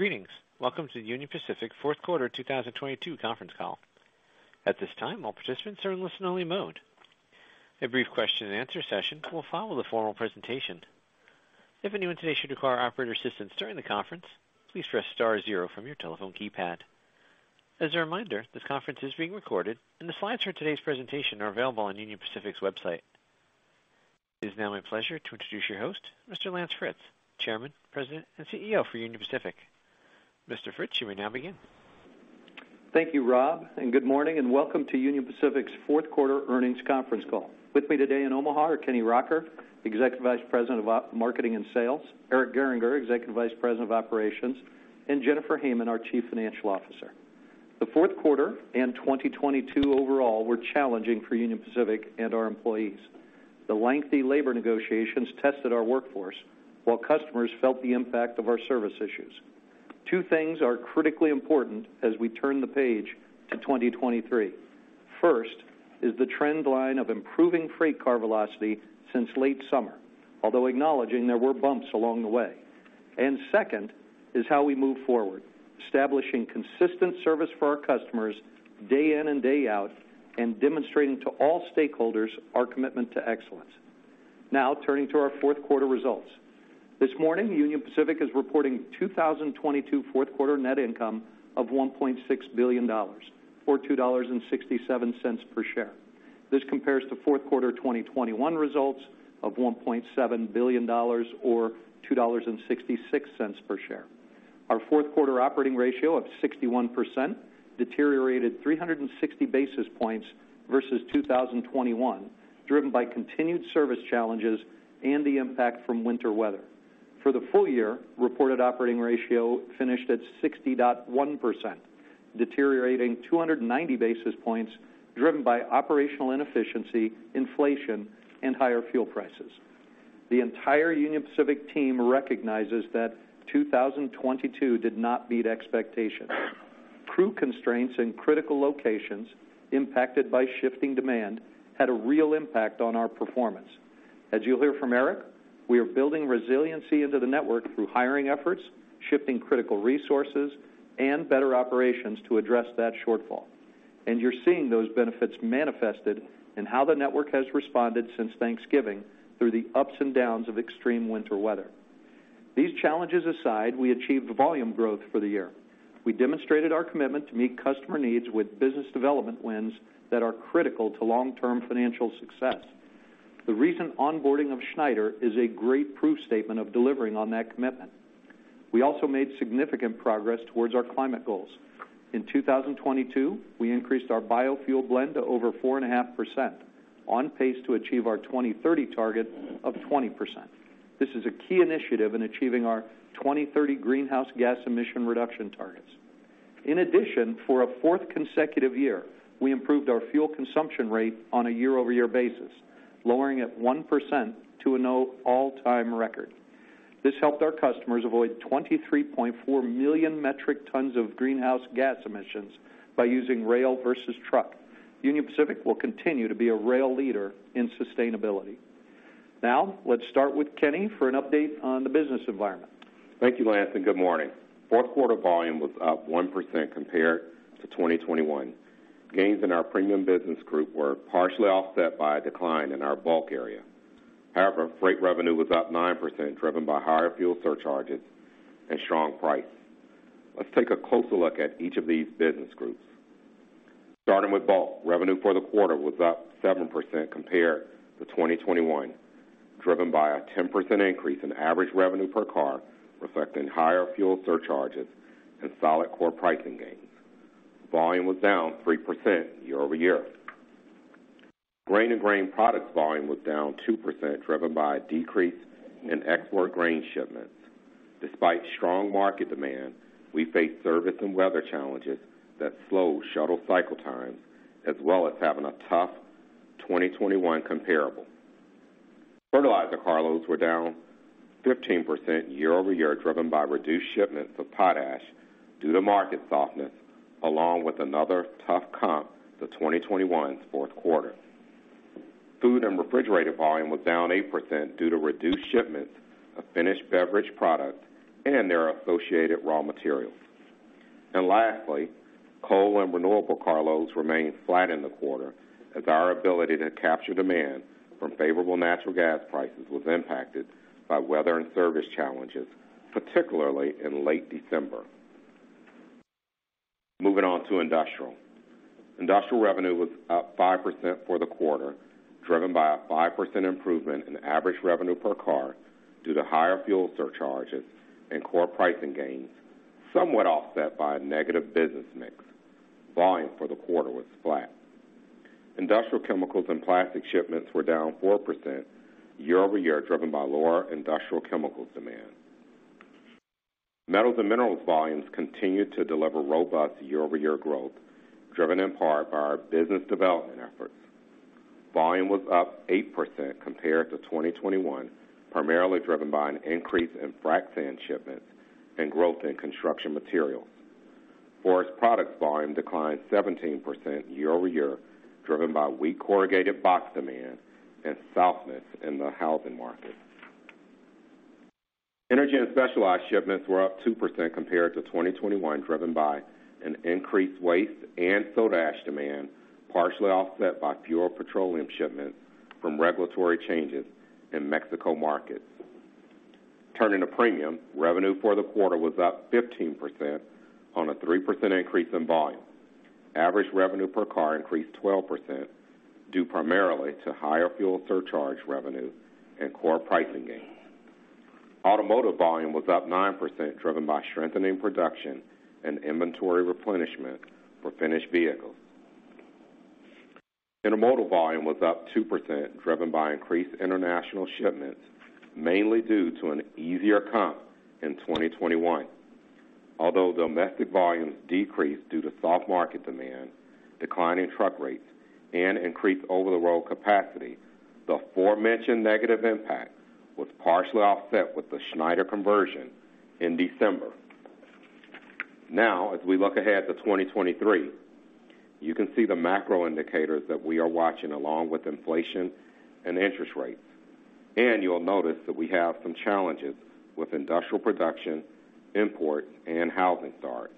Greetings. Welcome to the Union Pacific Fourth Quarter 2022 Conference Call. At this time, all participants are in listen-only mode. A brief question-and-answer session will follow the formal presentation. If anyone today should require operator assistance during the conference, please press star zero from your telephone keypad. As a reminder, this conference is being recorded and the slides for today's presentation are available on Union Pacific's website. It is now my pleasure to introduce your host, Mr. Lance Fritz, Chairman, President, and CEO for Union Pacific. Mr. Fritz, you may now begin. Thank you, Rob. Good morning and welcome to Union Pacific's fourth quarter Earnings Conference Call. With me today in Omaha are Kenny Rocker, Executive Vice President of Marketing and Sales, Eric Gehringer, Executive Vice President of Operations, and Jennifer Hamann, our Chief Financial Officer. The fourth quarter and 2022 overall were challenging for Union Pacific and our employees. The lengthy labor negotiations tested our workforce while customers felt the impact of our service issues. Two things are critically important as we turn the page to 2023. First is the trend line of improving freight car velocity since late summer, although acknowledging there were bumps along the way. Second is how we move forward, establishing consistent service for our customers day in and day out, and demonstrating to all stakeholders our commitment to excellence. Now, turning to our fourth quarter results. This morning, Union Pacific is reporting 2022 fourth quarter net income of $1.6 billion or $2.67 per share. This compares to fourth quarter 2021 results of $1.7 billion or $2.66 per share. Our fourth quarter operating ratio of 61% deteriorated 360 basis points versus 2021, driven by continued service challenges and the impact from winter weather. For the full year, reported operating ratio finished at 60.1%, deteriorating 290 basis points, driven by operational inefficiency, inflation, and higher fuel prices. The entire Union Pacific team recognizes that 2022 did not meet expectations. Crew constraints in critical locations impacted by shifting demand had a real impact on our performance. As you'll hear from Eric, we are building resiliency into the network through hiring efforts, shifting critical resources, and better operations to address that shortfall. You're seeing those benefits manifested in how the network has responded since Thanksgiving through the ups and downs of extreme winter weather. These challenges aside, we achieved volume growth for the year. We demonstrated our commitment to meet customer needs with business development wins that are critical to long-term financial success. The recent onboarding of Schneider is a great proof statement of delivering on that commitment. We also made significant progress towards our climate goals. In 2022, we increased our Biofuel blend to over 4.5%, on pace to achieve our 2030 target of 20%. This is a key initiative in achieving our 2030 greenhouse gas emission reduction targets. For a fourth consecutive year, we improved our fuel consumption rate on a year-over-year basis, lowering it 1% to an all-time record. This helped our customers avoid 23.4 million metric tons of greenhouse gas emissions by using rail versus truck. Union Pacific will continue to be a rail leader in sustainability. Let's start with Kenny for an update on the business environment. Thank you, Lance, and good morning. Fourth quarter volume was up 1% compared to 2021. Gains in our premium business group were partially offset by a decline in our bulk area. Freight revenue was up 9%, driven by higher fuel surcharges and strong price. Let's take a closer look at each of these business groups. Starting with bulk, revenue for the quarter was up 7% compared to 2021, driven by a 10% increase in average revenue per car, reflecting higher fuel surcharges and solid core pricing gains. Volume was down 3% year-over-year. Grain and grain products volume was down 2%, driven by a decrease in export grain shipments. Despite strong market demand, we faced service and weather challenges that slowed shuttle cycle times, as well as having a tough 2021 comparable. Fertilizer carloads were down 15% year-over-year, driven by reduced shipments of potash due to market softness, along with another tough comp to 2021's fourth quarter. Food and refrigerator volume was down 8% due to reduced shipments of finished beverage products and their associated raw materials. Lastly, coal and renewable carloads remained flat in the quarter as our ability to capture demand from favorable natural gas prices was impacted by weather and service challenges, particularly in late December. Moving on to industrial. Industrial revenue was up 5% for the quarter, driven by a 5% improvement in average revenue per car due to higher fuel surcharges and core pricing gains, somewhat offset by a negative business mix. Volume for the quarter was flat. Industrial chemicals and plastic shipments were down 4% year-over-year, driven by lower industrial chemicals demand. Metals and minerals volumes continued to deliver robust year-over-year growth, driven in part by our business development efforts. Volume was up 8% compared to 2021, primarily driven by an increase in frac sand shipments and growth in construction material. Forest Products volume declined 17% year-over-year, driven by weak corrugated box demand and softness in the housing market. Energy and specialized shipments were up 2% compared to 2021, driven by an increased waste and soda ash demand, partially offset by fewer petroleum shipments from regulatory changes in Mexico markets. Turning to Premium, revenue for the quarter was up 15% on a 3% increase in volume. Average revenue per car increased 12%, due primarily to higher fuel surcharge revenue and core pricing gains. Automotive volume was up 9% driven by strengthening production and inventory replenishment for finished vehicles. Intermodal volume was up 2% driven by increased international shipments, mainly due to an easier comp in 2021. Although domestic volumes decreased due to soft market demand, declining truck rates and increased over-the-road capacity, the aforementioned negative impact was partially offset with the Schneider conversion in December. As we look ahead to 2023, you can see the macro indicators that we are watching along with inflation and interest rates. You'll notice that we have some challenges with industrial production, import, and housing starts.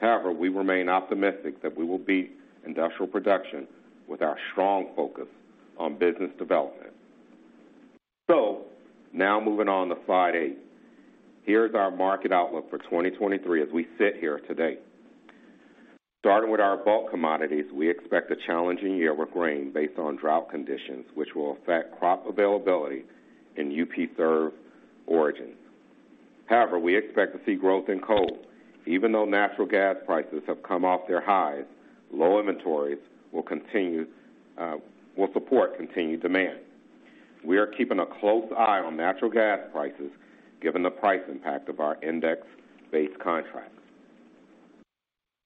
However, we remain optimistic that we will beat industrial production with our strong focus on business development. Now moving on to slide eight. Here's our market outlook for 2023 as we sit here today. Starting with our bulk commodities, we expect a challenging year with grain based on drought conditions, which will affect crop availability in UP Serve origins. However, we expect to see growth in coal. Even though natural gas prices have come off their highs, low inventories will continue, will support continued demand. We are keeping a close eye on natural gas prices given the price impact of our index-based contracts.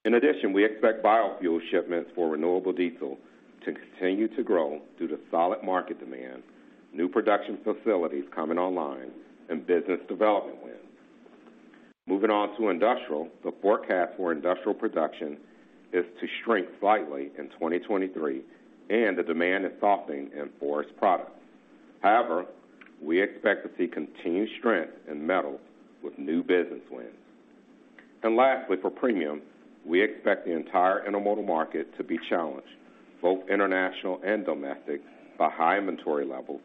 In addition, we expect Biofuel shipments for renewable diesel to continue to grow due to solid market demand, new production facilities coming online and business development wins. Moving on to industrial, the forecast for industrial production is to shrink slightly in 2023 and the demand is softening in forest products. However, we expect to see continued strength in metals with new business wins. Lastly, for premium, we expect the entire intermodal market to be challenged, both international and domestic, by high inventory levels,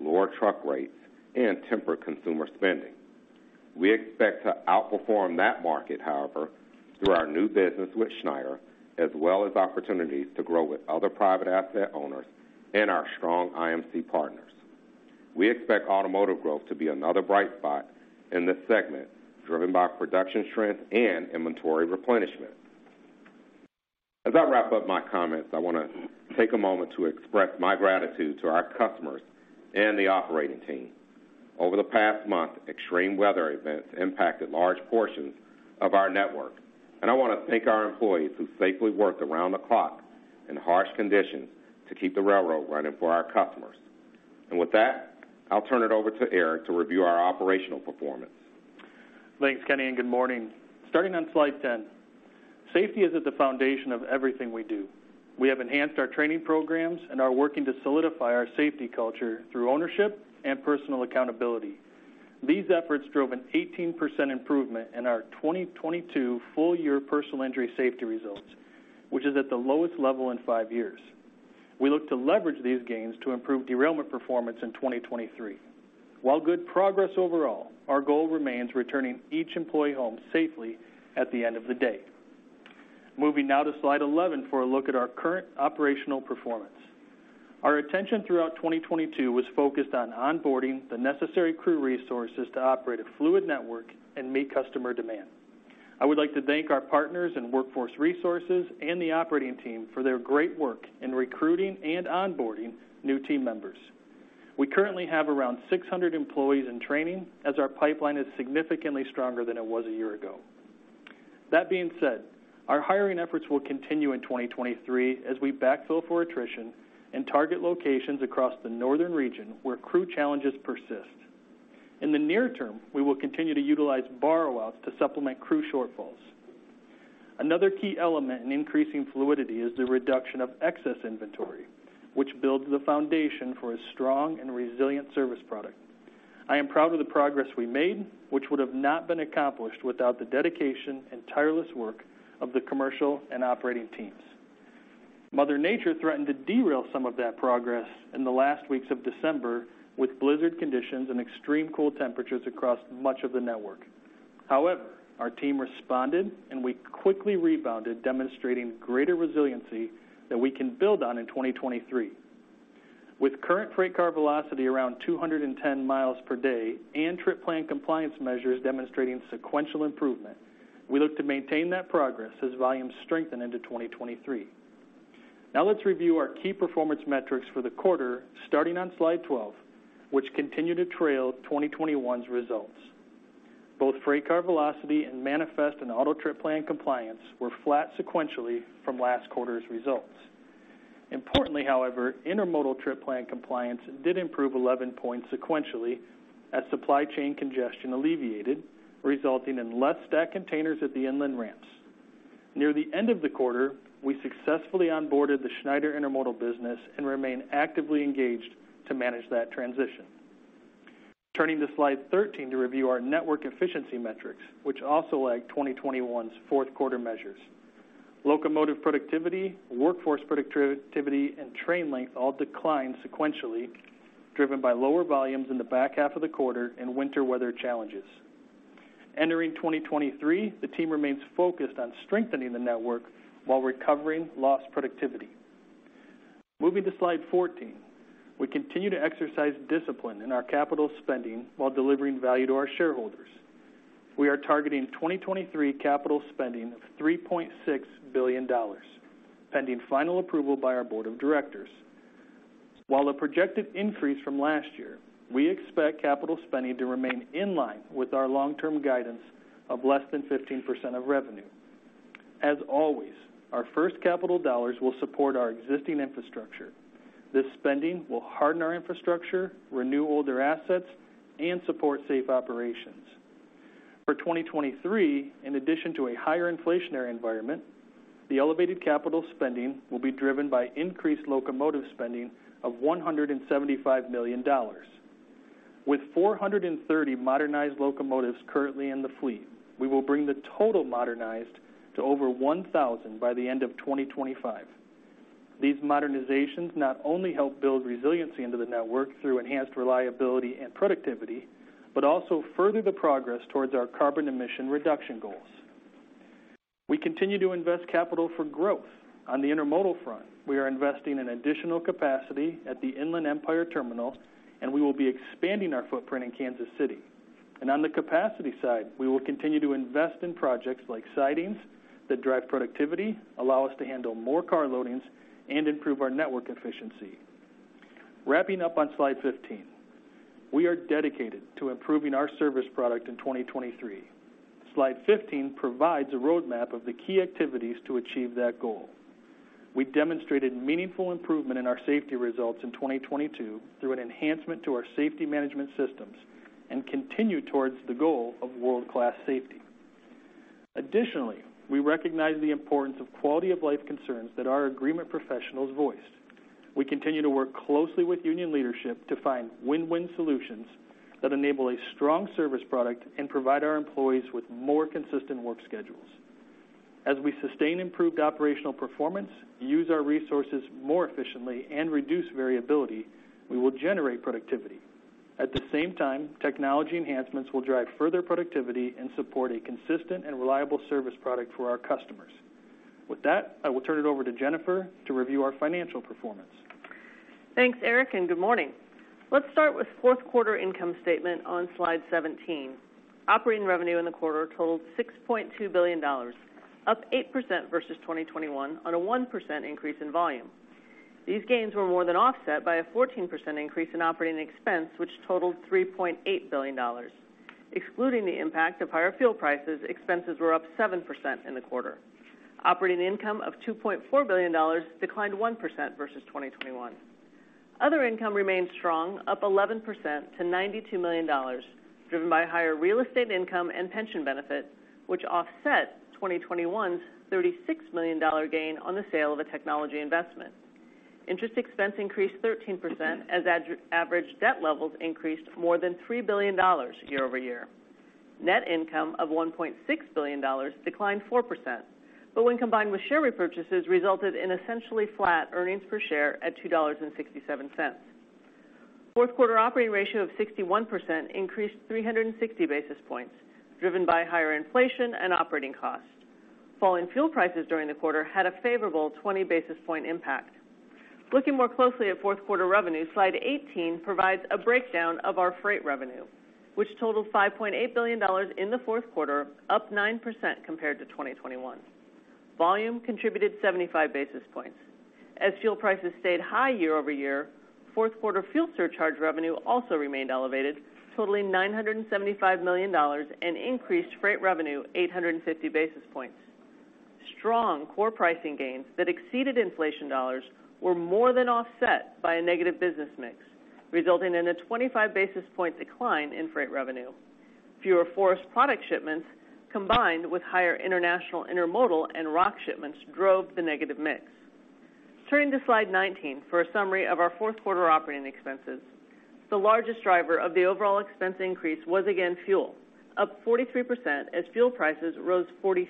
lower truck rates, and tempered consumer spending. We expect to outperform that market, however, through our new business with Schneider, as well as opportunities to grow with other private asset owners and our strong IMC partners. We expect automotive growth to be another bright spot in this segment, driven by production strength and inventory replenishment. As I wrap up my comments, I wanna take a moment to express my gratitude to our customers and the operating team. Over the past month, extreme weather events impacted large portions of our network, and I wanna thank our employees who safely worked around the clock in harsh conditions to keep the railroad running for our customers. With that, I'll turn it over to Eric to review our operational performance. Thanks, Kenny, and good morning. Starting on slide 10. Safety is at the foundation of everything we do. We have enhanced our training programs and are working to solidify our safety culture through ownership and personal accountability. These efforts drove an 18% improvement in our 2022 full year personal injury safety results, which is at the lowest level in five years. We look to leverage these gains to improve derailment performance in 2023. While good progress overall, our goal remains returning each employee home safely at the end of the day. Moving now to slide 11 for a look at our current operational performance. Our attention throughout 2022 was focused on onboarding the necessary crew resources to operate a fluid network and meet customer demand. I would like to thank our partners in Workforce Resources and the operating team for their great work in recruiting and onboarding new team members. We currently have around 600 employees in training as our pipeline is significantly stronger than it was a year ago. That being said, our hiring efforts will continue in 2023 as we backfill for attrition and target locations across the northern region where crew challenges persist. In the near term, we will continue to utilize borrow-outs to supplement crew shortfalls. Another key element in increasing fluidity is the reduction of excess inventory, which builds the foundation for a strong and resilient service product. I am proud of the progress we made, which would have not been accomplished without the dedication and tireless work of the commercial and operating teams. Mother Nature threatened to derail some of that progress in the last weeks of December with blizzard conditions and extreme cold temperatures across much of the network. However, our team responded, and we quickly rebounded, demonstrating greater resiliency that we can build on in 2023. With current freight car velocity around 210 miles per day and trip plan compliance measures demonstrating sequential improvement, we look to maintain that progress as volumes strengthen into 2023. Now let's review our key performance metrics for the quarter starting on slide 12, which continue to trail 2021's results. Both freight car velocity and manifest and auto trip plan compliance were flat sequentially from last quarter's results. Importantly, however, intermodal trip plan compliance did improve 11 points sequentially as supply chain congestion alleviated, resulting in less stacked containers at the inland ramps. Near the end of the quarter, we successfully onboarded the Schneider intermodal business and remain actively engaged to manage that transition. Turning to slide 13 to review our network efficiency metrics, which also lag 2021's fourth quarter measures. Locomotive productivity, workforce productivity, and train length all declined sequentially, driven by lower volumes in the back half of the quarter and winter weather challenges. Entering 2023, the team remains focused on strengthening the network while recovering lost productivity. Moving to slide 14. We continue to exercise discipline in our capital spending while delivering value to our shareholders. We are targeting 2023 capital spending of $3.6 billion, pending final approval by our board of directors. While a projected increase from last year, we expect capital spending to remain in line with our long-term guidance of less than 15% of revenue. As always, our first capital dollars will support our existing infrastructure. This spending will harden our infrastructure, renew older assets, and support safe operations. For 2023, in addition to a higher inflationary environment, the elevated capital spending will be driven by increased locomotive spending of $175 million. With 430 modernized locomotives currently in the fleet, we will bring the total modernized to over 1,000 by the end of 2025. These modernizations not only help build resiliency into the network through enhanced reliability and productivity, but also further the progress towards our carbon emission reduction goals. We continue to invest capital for growth. On the intermodal front, we are investing in additional capacity at the Inland Empire Terminal, and we will be expanding our footprint in Kansas City. On the capacity side, we will continue to invest in projects like sidings that drive productivity, allow us to handle more car loadings, and improve our network efficiency. Wrapping up on slide 15, we are dedicated to improving our service product in 2023. Slide 15 provides a roadmap of the key activities to achieve that goal. We demonstrated meaningful improvement in our safety results in 2022 through an enhancement to our safety management systems and continue towards the goal of world-class safety. Additionally, we recognize the importance of quality-of-life concerns that our agreement professionals voice. We continue to work closely with union leadership to find win-win solutions that enable a strong service product and provide our employees with more consistent work schedules. As we sustain improved operational performance, use our resources more efficiently, and reduce variability, we will generate productivity. At the same time, technology enhancements will drive further productivity and support a consistent and reliable service product for our customers. With that, I will turn it over to Jennifer to review our financial performance. Thanks, Eric. Good morning. Let's start with fourth quarter income statement on slide 17. Operating revenue in the quarter totaled $6.2 billion, up 8% versus 2021 on a 1% increase in volume. These gains were more than offset by a 14% increase in operating expense, which totaled $3.8 billion. Excluding the impact of higher fuel prices, expenses were up 7% in the quarter. Operating income of $2.4 billion declined 1% versus 2021. Other income remained strong, up 11% to $92 million, driven by higher real estate income and pension benefits, which offset 2021's $36 million gain on the sale of a technology investment. Interest expense increased 13% as average debt levels increased more than $3 billion year-over-year. Net income of $1.6 billion declined 4%. When combined with share repurchases, resulted in essentially flat earnings per share at $2.67. Fourth quarter operating ratio of 61% increased 360 basis points, driven by higher inflation and operating costs. Falling fuel prices during the quarter had a favorable 20 basis point impact. Looking more closely at fourth quarter revenue, slide 18 provides a breakdown of our freight revenue, which totaled $5.8 billion in the fourth quarter, up 9% compared to 2021. Volume contributed 75 basis points. Fuel prices stayed high year-over-year, fourth quarter fuel surcharge revenue also remained elevated, totaling $975 million and increased freight revenue 850 basis points. Strong core pricing gains that exceeded inflation dollars were more than offset by a negative business mix, resulting in a 25 basis point decline in freight revenue. Fewer forest product shipments combined with higher international intermodal and rock shipments drove the negative mix. Turning to slide 19 for a summary of our fourth quarter operating expenses. The largest driver of the overall expense increase was again fuel, up 43% as fuel prices rose 46%.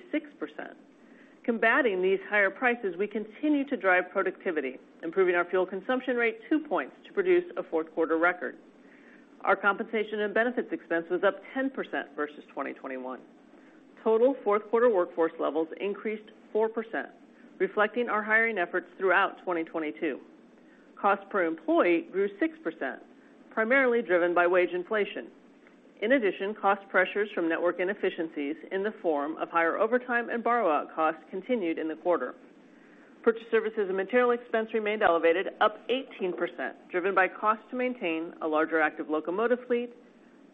Combating these higher prices, we continue to drive productivity, improving our fuel consumption rate two points to produce a fourth quarter record. Our compensation and benefits expense was up 10% versus 2021. Total fourth quarter workforce levels increased 4%, reflecting our hiring efforts throughout 2022. Cost per employee grew 6%, primarily driven by wage inflation. In addition, cost pressures from network inefficiencies in the form of higher overtime and borrow-out costs continued in the quarter. Purchase services and material expense remained elevated, up 18%, driven by cost to maintain a larger active locomotive fleet,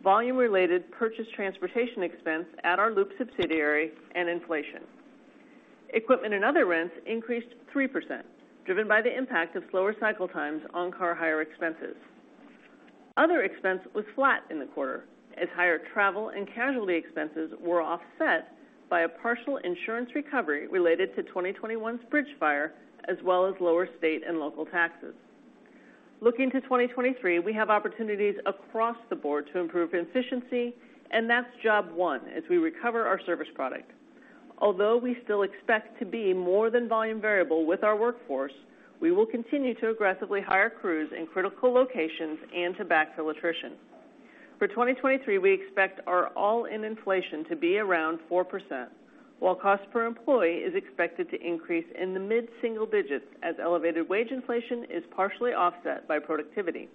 volume-related purchase transportation expense at our Loup subsidiary and inflation. Equipment and other rents increased 3%, driven by the impact of slower cycle times on car hire expenses. Other expense was flat in the quarter as higher travel and casualty expenses were offset by a partial insurance recovery related to 2021's bridge fire, as well as lower state and local taxes. Looking to 2023, we have opportunities across the board to improve efficiency, and that's job one as we recover our service product. Although we still expect to be more than volume variable with our workforce, we will continue to aggressively hire crews in critical locations and to backfill attrition. For 2023, we expect our all-in inflation to be around 4%, while cost per employee is expected to increase in the mid-single digits as elevated wage inflation is partially offset by productivity.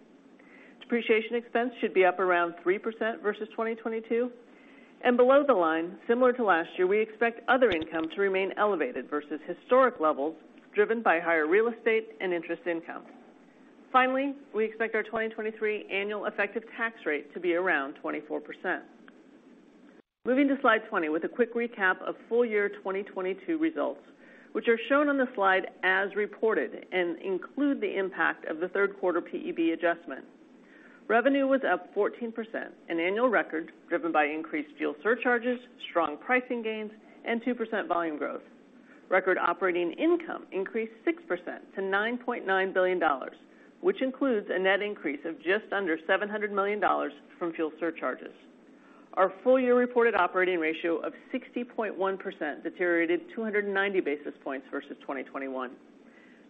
Depreciation expense should be up around 3% versus 2022, and below the line, similar to last year, we expect other income to remain elevated versus historic levels driven by higher real estate and interest income. Finally, we expect our 2023 annual effective tax rate to be around 24%. Moving to Slide 20 with a quick recap of full year 2022 results, which are shown on the slide as reported and include the impact of the third quarter PEB adjustment. Revenue was up 14%, an annual record, driven by increased fuel surcharges, strong pricing gains, and 2% volume growth. Record operating income increased 6% to $9.9 billion, which includes a net increase of just under $700 million from fuel surcharges. Our full year reported operating ratio of 60.1% deteriorated 290 basis points versus 2021.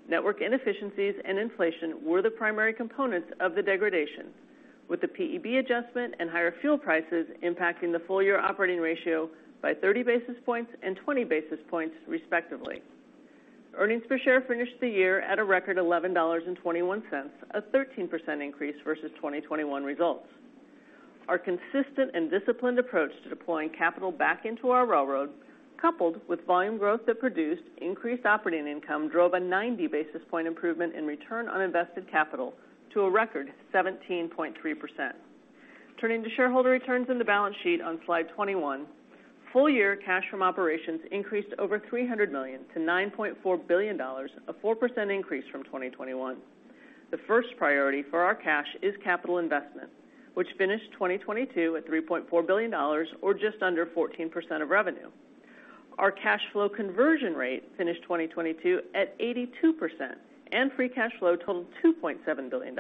Network inefficiencies and inflation were the primary components of the degradation, with the PEB adjustment and higher fuel prices impacting the full year operating ratio by 30 basis points and 20 basis points, respectively. Earnings per share finished the year at a record $11.21, a 13% increase versus 2021 results. Our consistent and disciplined approach to deploying capital back into our railroad, coupled with volume growth that produced increased operating income, drove a 90 basis point improvement in return on invested capital to a record 17.3%. Turning to shareholder returns in the balance sheet on Slide 21, full year cash from operations increased over $300 millio-$9.4 billion, a 4% increase from 2021. The first priority for our cash is capital investment, which finished 2022 at $3.4 billion or just under 14% of revenue. Our cash flow conversion rate finished 2022 at 82%, and free cash flow totaled $2.7 billion.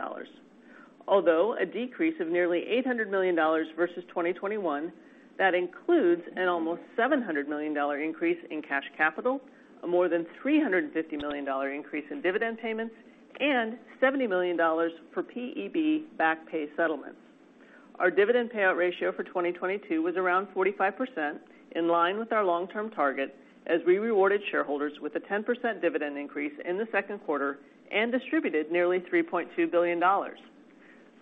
Although a decrease of nearly $800 million versus 2021, that includes an almost $700 million increase in cash capital, a more than $350 million increase in dividend payments, and $70 million for PEB back pay settlements. Our dividend payout ratio for 2022 was around 45%, in line with our long-term target as we rewarded shareholders with a 10% dividend increase in the second quarter and distributed nearly $3.2 billion.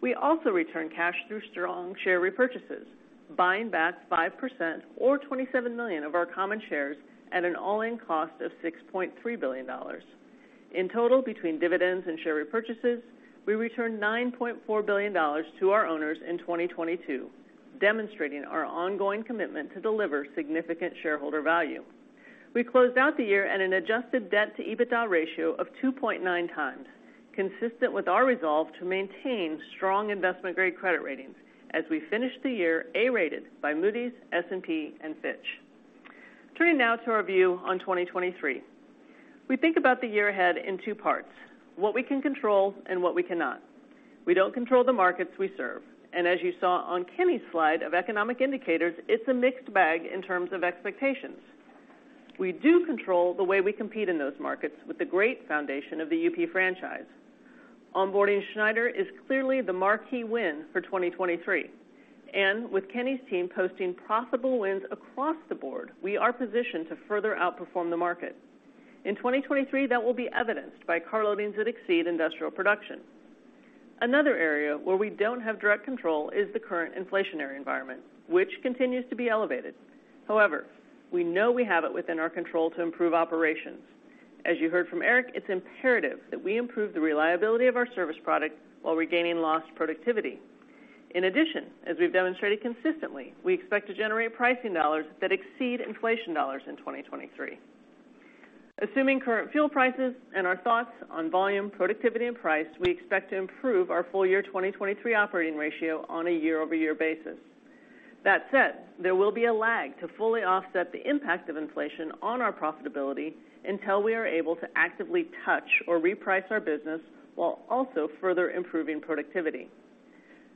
We also returned cash through strong share repurchases, buying back 5% or 27 million of our common shares at an all-in cost of $6.3 billion. In total, between dividends and share repurchases, we returned $9.4 billion to our owners in 2022, demonstrating our ongoing commitment to deliver significant shareholder value. We closed out the year at an adjusted debt-to-EBITDA ratio of 2.9 times, consistent with our resolve to maintain strong investment-grade credit ratings as we finished the year A-rated by Moody's, S&P, and Fitch. Turning now to our view on 2023. We think about the year ahead in two parts: what we can control and what we cannot. We don't control the markets we serve, and as you saw on Kenny's slide of economic indicators, it's a mixed bag in terms of expectations. We do control the way we compete in those markets with the great foundation of the UP franchise. Onboarding Schneider is clearly the marquee win for 2023, and with Kenny's team posting profitable wins across the board, we are positioned to further outperform the market. In 2023, that will be evidenced by car loadings that exceed industrial production. Another area where we don't have direct control is the current inflationary environment, which continues to be elevated. However, we know we have it within our control to improve operations. As you heard from Eric, it's imperative that we improve the reliability of our service product while regaining lost productivity. In addition, as we've demonstrated consistently, we expect to generate pricing dollars that exceed inflation dollars in 2023. Assuming current fuel prices and our thoughts on volume, productivity, and price, we expect to improve our full year 2023 operating ratio on a year-over-year basis. That said, there will be a lag to fully offset the impact of inflation on our profitability until we are able to actively touch or reprice our business while also further improving productivity.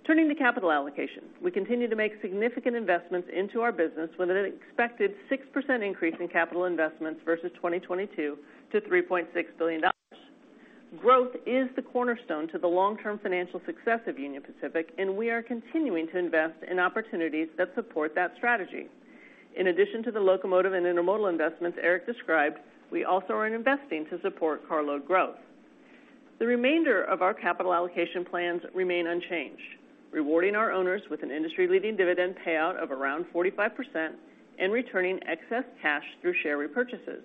Turning to capital allocation, we continue to make significant investments into our business with an expected 6% increase in capital investments versus 2022 to $3.6 billion. Growth is the cornerstone to the long-term financial success of Union Pacific, we are continuing to invest in opportunities that support that strategy. In addition to the locomotive and intermodal investments Eric described, we also are investing to support carload growth. The remainder of our capital allocation plans remain unchanged, rewarding our owners with an industry-leading dividend payout of around 45% and returning excess cash through share repurchases.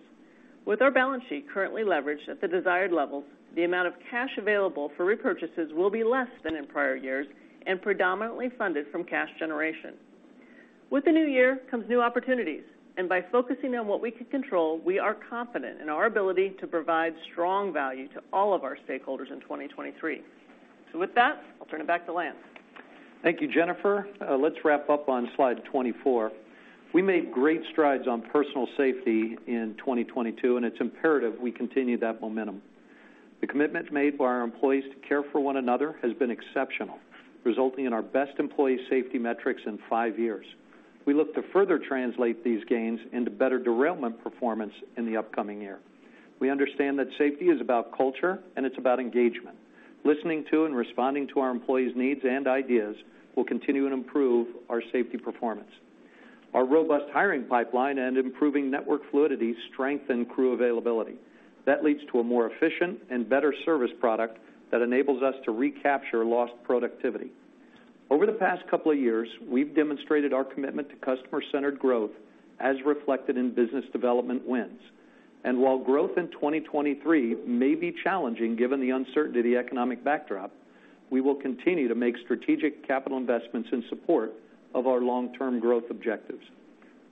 With our balance sheet currently leveraged at the desired level, the amount of cash available for repurchases will be less than in prior years and predominantly funded from cash generation. With the new year comes new opportunities, and by focusing on what we can control, we are confident in our ability to provide strong value to all of our stakeholders in 2023. With that, I'll turn it back to Lance. Thank you, Jennifer. Let's wrap up on slide 24. We made great strides on personal safety in 2022. It's imperative we continue that momentum. The commitment made by our employees to care for one another has been exceptional, resulting in our best employee safety metrics in five years. We look to further translate these gains into better derailment performance in the upcoming year. We understand that safety is about culture, and it's about engagement. Listening to and responding to our employees' needs and ideas will continue to improve our safety performance. Our robust hiring pipeline and improving network fluidity strengthen crew availability. Leads to a more efficient and better service product that enables us to recapture lost productivity. Over the past couple of years, we've demonstrated our commitment to customer-centered growth as reflected in business development wins. While growth in 2023 may be challenging, given the uncertainty of the economic backdrop, we will continue to make strategic capital investments in support of our long-term growth objectives.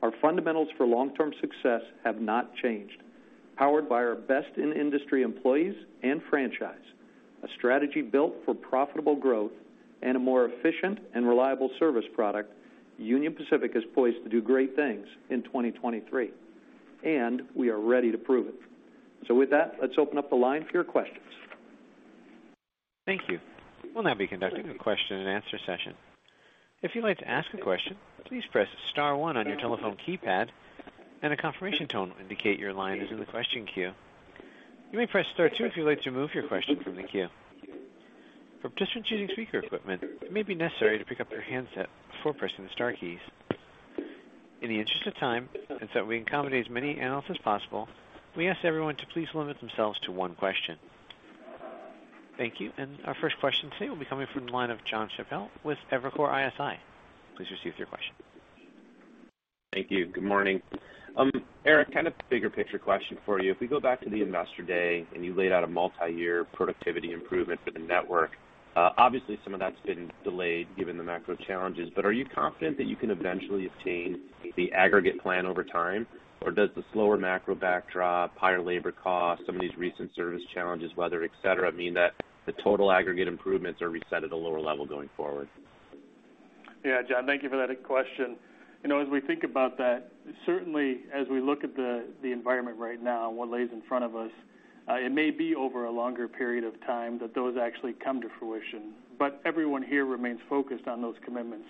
Our fundamentals for long-term success have not changed. Powered by our best-in-industry employees and franchise, a strategy built for profitable growth and a more efficient and reliable service product, Union Pacific is poised to do great things in 2023, and we are ready to prove it. With that, let's open up the line for your questions. Thank you. We'll now be conducting a question-and-answer session. If you'd like to ask a question, please press star one on your telephone keypad, and a confirmation tone will indicate your line is in the question queue. You may press star two if you'd like to remove your question from the queue. For participants using speaker equipment, it may be necessary to pick up your handset before pressing the star keys. In the interest of time, and so that we accommodate as many analysts as possible, we ask everyone to please limit themselves to one question. Thank you. Our first question today will be coming from the line of Jonathan Chappell with Evercore ISI. Please proceed with your question. Thank you. Good morning. Eric, kind of a bigger picture question for you. If we go back to the Investor Day, you laid out a multiyear productivity improvement for the network, obviously, some of that's been delayed given the macro challenges. Are you confident that you can eventually obtain the aggregate plan over time? Does the slower macro backdrop, higher labor costs, some of these recent service challenges, weather, et cetera, mean that the total aggregate improvements are reset at a lower level going forward? Yeah, Jon, thank you for that question. You know, as we think about that, certainly, as we look at the environment right now and what lays in front of us, it may be over a longer period of time that those actually come to fruition. Everyone here remains focused on those commitments,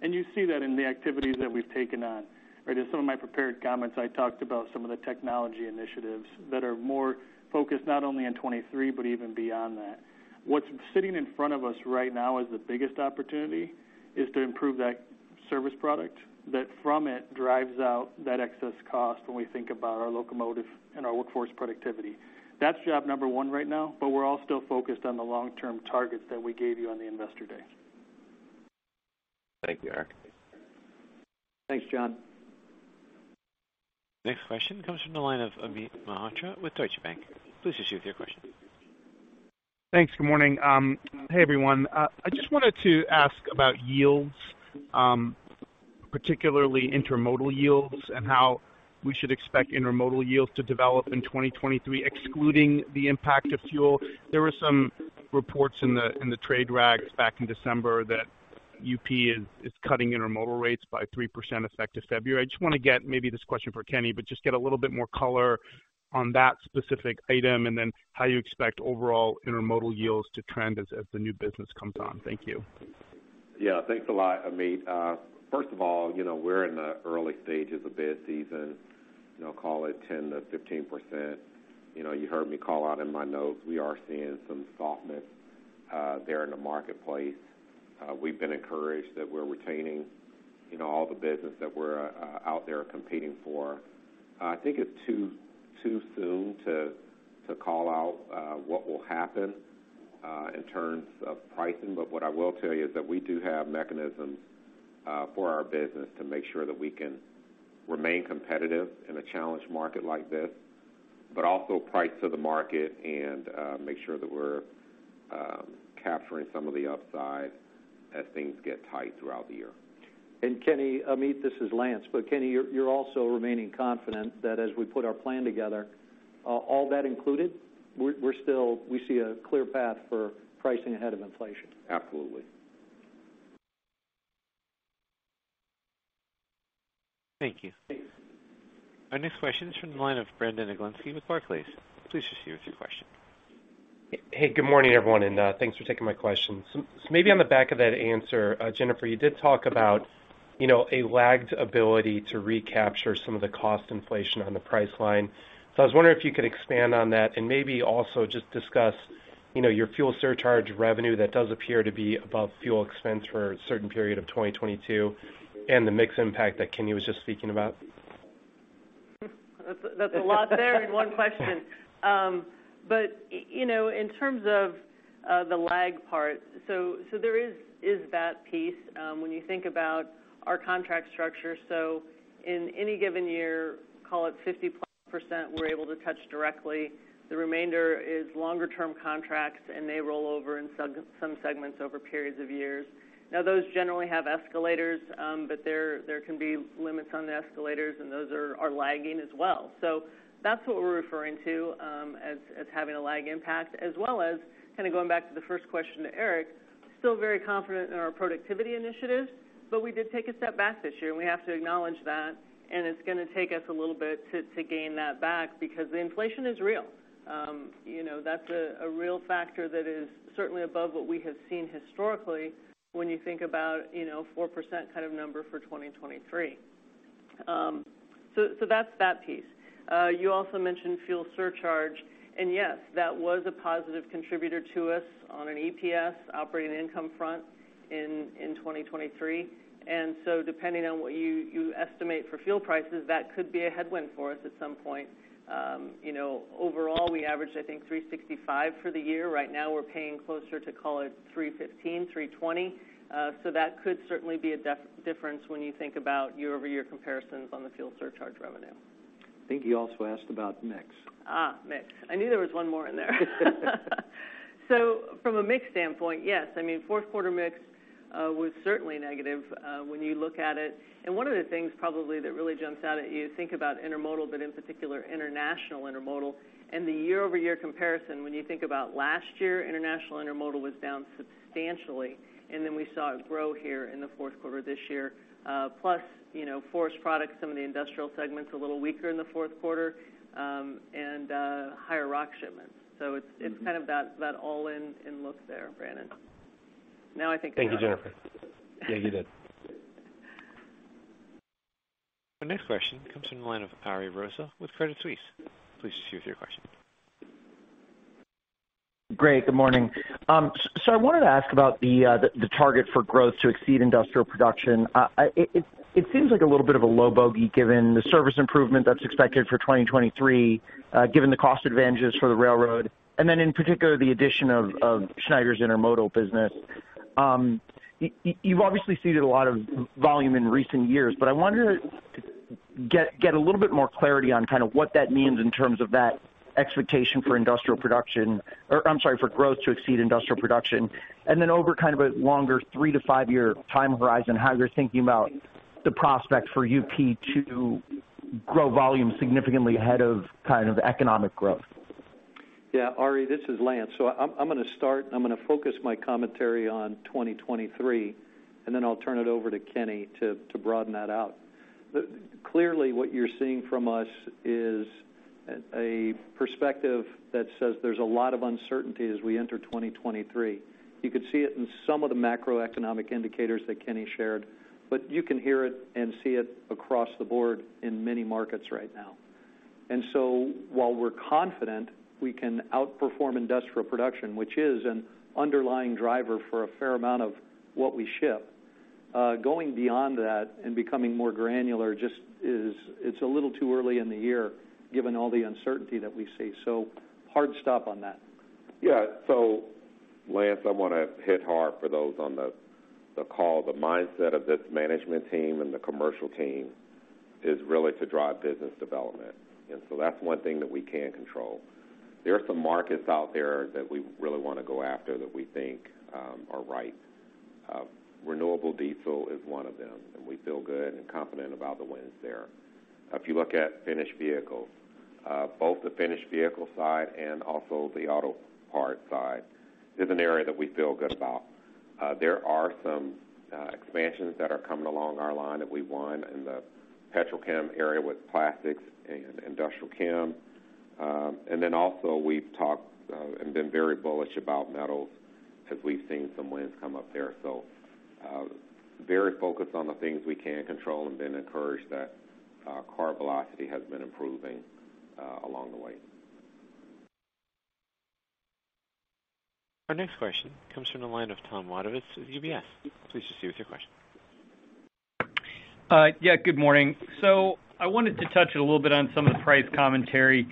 and you see that in the activities that we've taken on, right? In some of my prepared comments, I talked about some of the technology initiatives that are more focused not only in 2023, but even beyond that. What's sitting in front of us right now as the biggest opportunity is to improve that service product that from it drives out that excess cost when we think about our locomotive and our workforce productivity. That's job number one right now, but we're all still focused on the long-term targets that we gave you on the Investor Day. Thank you, Eric. Thanks, Jon. Next question comes from the line of Amit Malhotra with Deutsche Bank. Please proceed with your question. Thanks. Good morning. Hey, everyone. I just wanted to ask about yields, particularly intermodal yields and how we should expect intermodal yields to develop in 2023, excluding the impact of fuel. There were some reports in the trade rags back in December that UP is cutting intermodal rates by 3% effective February. I just wanna get maybe this question for Kenny, but just get a little bit more color on that specific item and then how you expect overall intermodal yields to trend as the new business comes on. Thank you. Yeah. Thanks a lot, Amit Malhotra. First of all, you know, we're in the early stages of bid season, you know, call it 10%-15%. You know, you heard me call out in my notes, we are seeing some softness there in the marketplace. We've been encouraged that we're retaining, you know, all the business that we're out there competing for. I think it's too soon to call out what will happen in terms of pricing. What I will tell you is that we do have mechanisms for our business to make sure that we can remain competitive in a challenged market like this, but also price to the market and make sure that we're capturing some of the upside as things get tight throughout the year. Kenny, Amit, this is Lance. Kenny, you're also remaining confident that as we put our plan together, all that included, we're still we see a clear path for pricing ahead of inflation. Absolutely. Thank you. Our next question is from the line of Brandon Oglenski with Barclays. Please proceed with your question. Hey, good morning, everyone, and thanks for taking my questions. Maybe on the back of that answer, Jennifer, you did talk about, you know, a lagged ability to recapture some of the cost inflation on the price line. I was wondering if you could expand on that and maybe also just discuss, you know, your fuel surcharge revenue that does appear to be above fuel expense for a certain period of 2022 and the mix impact that Kenny was just speaking about. That's, that's a lot there in one question. You know, in order o The lag part. There is that piece, when you think about our contract structure. In any given year, call it 50%+ we're able to touch directly. The remainder is longer term contracts, and they roll over in some segments over periods of years. Now, those generally have escalators, but there can be limits on the escalators, and those are lagging as well. That's what we're referring to as having a lag impact, as well as kind of going back to the first question to Eric, still very confident in our productivity initiatives, but we did take a step back this year, and we have to acknowledge that, and it's gonna take us a little bit to gain that back because the inflation is real. You know, that's a real factor that is certainly above what we have seen historically when you think about, you know, 4% kind of number for 2023. That's that piece. You also mentioned fuel surcharge, and yes, that was a positive contributor to us on an EPS operating income front in 2023. Depending on what you estimate for fuel prices, that could be a headwind for us at some point. You know, overall, we averaged, I think, $3.65 for the year. Right now we're paying closer to call it $3.15, $3.20. That could certainly be a difference when you think about year-over-year comparisons on the fuel surcharge revenue. I think he also asked about mix. Mix. I knew there was one more in there. From a mix standpoint, yes. I mean, fourth quarter mix was certainly negative when you look at it. One of the things probably that really jumps out at you, think about intermodal, but in particular international intermodal and the year-over-year comparison. When you think about last year, international intermodal was down substantially, and then we saw it grow here in the fourth quarter this year. Plus, you know, forest products, some of the industrial segments a little weaker in the fourth quarter, and higher rock shipments. It's, it's kind of that all-in in look there, Brandon. I think I got all of them. Thank you, Jennifer. Yeah, you did. Our next question comes from the line of Ariel Rosa with Credit Suisse. Please proceed with your question. Great. Good morning. I wanted to ask about the target for growth to exceed industrial production. It seems like a little bit of a low bogey given the service improvement that's expected for 2023, given the cost advantages for the railroad, and then in particular, the addition of Schneider's intermodal business. You've obviously ceded a lot of volume in recent years, but I wanted to get a little bit more clarity on kind of what that means in terms of that expectation for industrial production. Or I'm sorry, for growth to exceed industrial production. Over kind of a longer three to five year time horizon, how you're thinking about the prospect for UP to grow volume significantly ahead of kind of economic growth. Yeah. Ariel, this is Lance. I'm gonna start, I'm gonna focus my commentary on 2023, then I'll turn it over to Kenny to broaden that out. Clearly, what you're seeing from us is a perspective that says there's a lot of uncertainty as we enter 2023. You could see it in some of the macroeconomic indicators that Kenny shared, you can hear it and see it across the board in many markets right now. While we're confident we can outperform industrial production, which is an underlying driver for a fair amount of what we ship, going beyond that and becoming more granular, it's a little too early in the year given all the uncertainty that we see. Hard stop on that. Lance, I wanna hit hard for those on the call. The mindset of this management team and the commercial team is really to drive business development, that's one thing that we can control. There are some markets out there that we really wanna go after that we think are right. Renewable diesel is one of them, and we feel good and confident about the wins there. If you look at finished vehicles, both the finished vehicle side and also the auto parts side is an area that we feel good about. There are some expansions that are coming along our line that we won in the petrol chem area with plastics and industrial chem. Also we've talked and been very bullish about metals as we've seen some wins come up there. Very focused on the things we can control and been encouraged that, freight car velocity has been improving, along the way. Our next question comes from the line of Tom Wadewitz with UBS. Please proceed with your question. Yeah, good morning. I wanted to touch a little bit on some of the price commentary.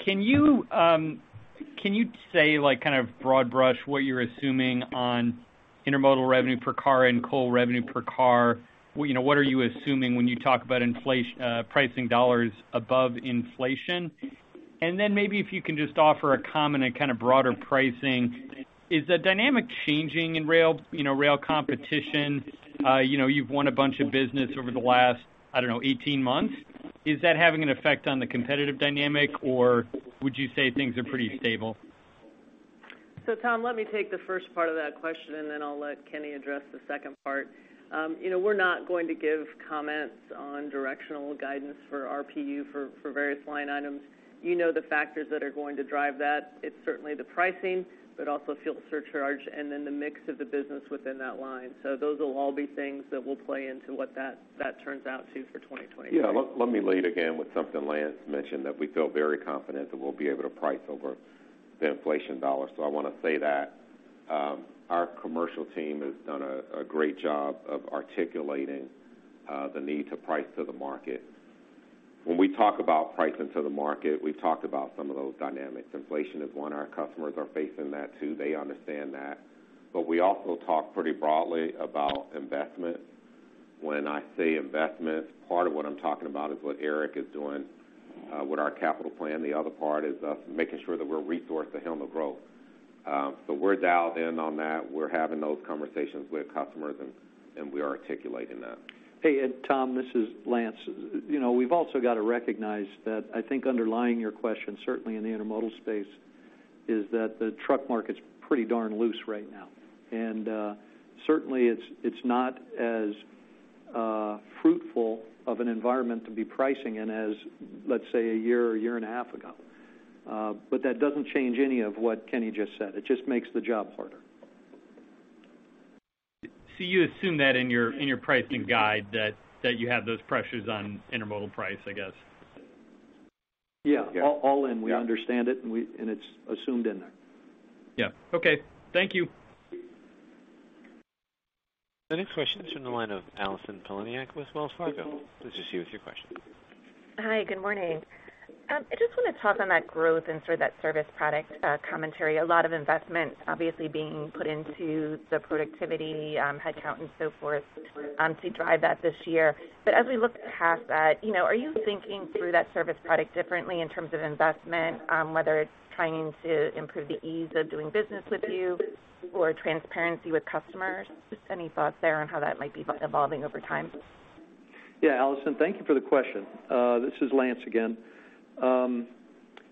Can you say like kind of broad brush what you're assuming on intermodal revenue per car and coal revenue per car? You know, what are you assuming when you talk about pricing dollars above inflation? Maybe if you can just offer a comment on kind of broader pricing. Is the dynamic changing in rail, you know, rail competition? You know, you've won a bunch of business over the last, I don't know, 18 months. Is that having an effect on the competitive dynamic, or would you say things are pretty stable? Tom, let me take the first part of that question, and then I'll let Kenny address the second part. You know, we're not going to give comments on directional guidance for RPU for various line items. You know the factors that are going to drive that. It's certainly the pricing, but also fuel surcharge and then the mix of the business within that line. Those will all be things that will play into what that turns out to for 2023. Yeah. Let me lead again with something Lance mentioned, that we feel very confident that we'll be able to price over the inflation dollar. I wanna say that our commercial team has done a great job of articulating the need to price to the market. When we talk about pricing to the market, we've talked about some of those dynamics. Inflation is one, our customers are facing that too. They understand that. We also talk pretty broadly about investment. When I say investment, part of what I'm talking about is what Eric Gehringer is doing with our capital plan. The other part is us making sure that we're resourced to handle growth. We're dialed in on that. We're having those conversations with customers, and we are articulating that. Hey, Ed, Tom, this is Lance. You know, we've also got to recognize that I think underlying your question, certainly in the intermodal space, is that the truck market's pretty darn loose right now. Certainly it's not as fruitful of an environment to be pricing in as, let's say, a year or year and a half ago. That doesn't change any of what Kenny just said. It just makes the job harder. You assume that in your pricing guide that you have those pressures on intermodal price, I guess? Yeah. Yeah. All in. Yeah. We understand it and we, and it's assumed in there. Yeah. Okay. Thank you. The next question is from the line of Allison Poliniak with Wells Fargo. This is you with your question. Hi, good morning. I just wanna talk on that growth and sort of that service product, commentary. A lot of investment obviously being put into the productivity, headcount and so forth, to drive that this year. As we look past that, you know, are you thinking through that service product differently in terms of investment, whether it's trying to improve the ease of doing business with you or transparency with customers? Just any thoughts there on how that might be evolving over time? Yeah, Allison, thank you for the question. This is Lance again.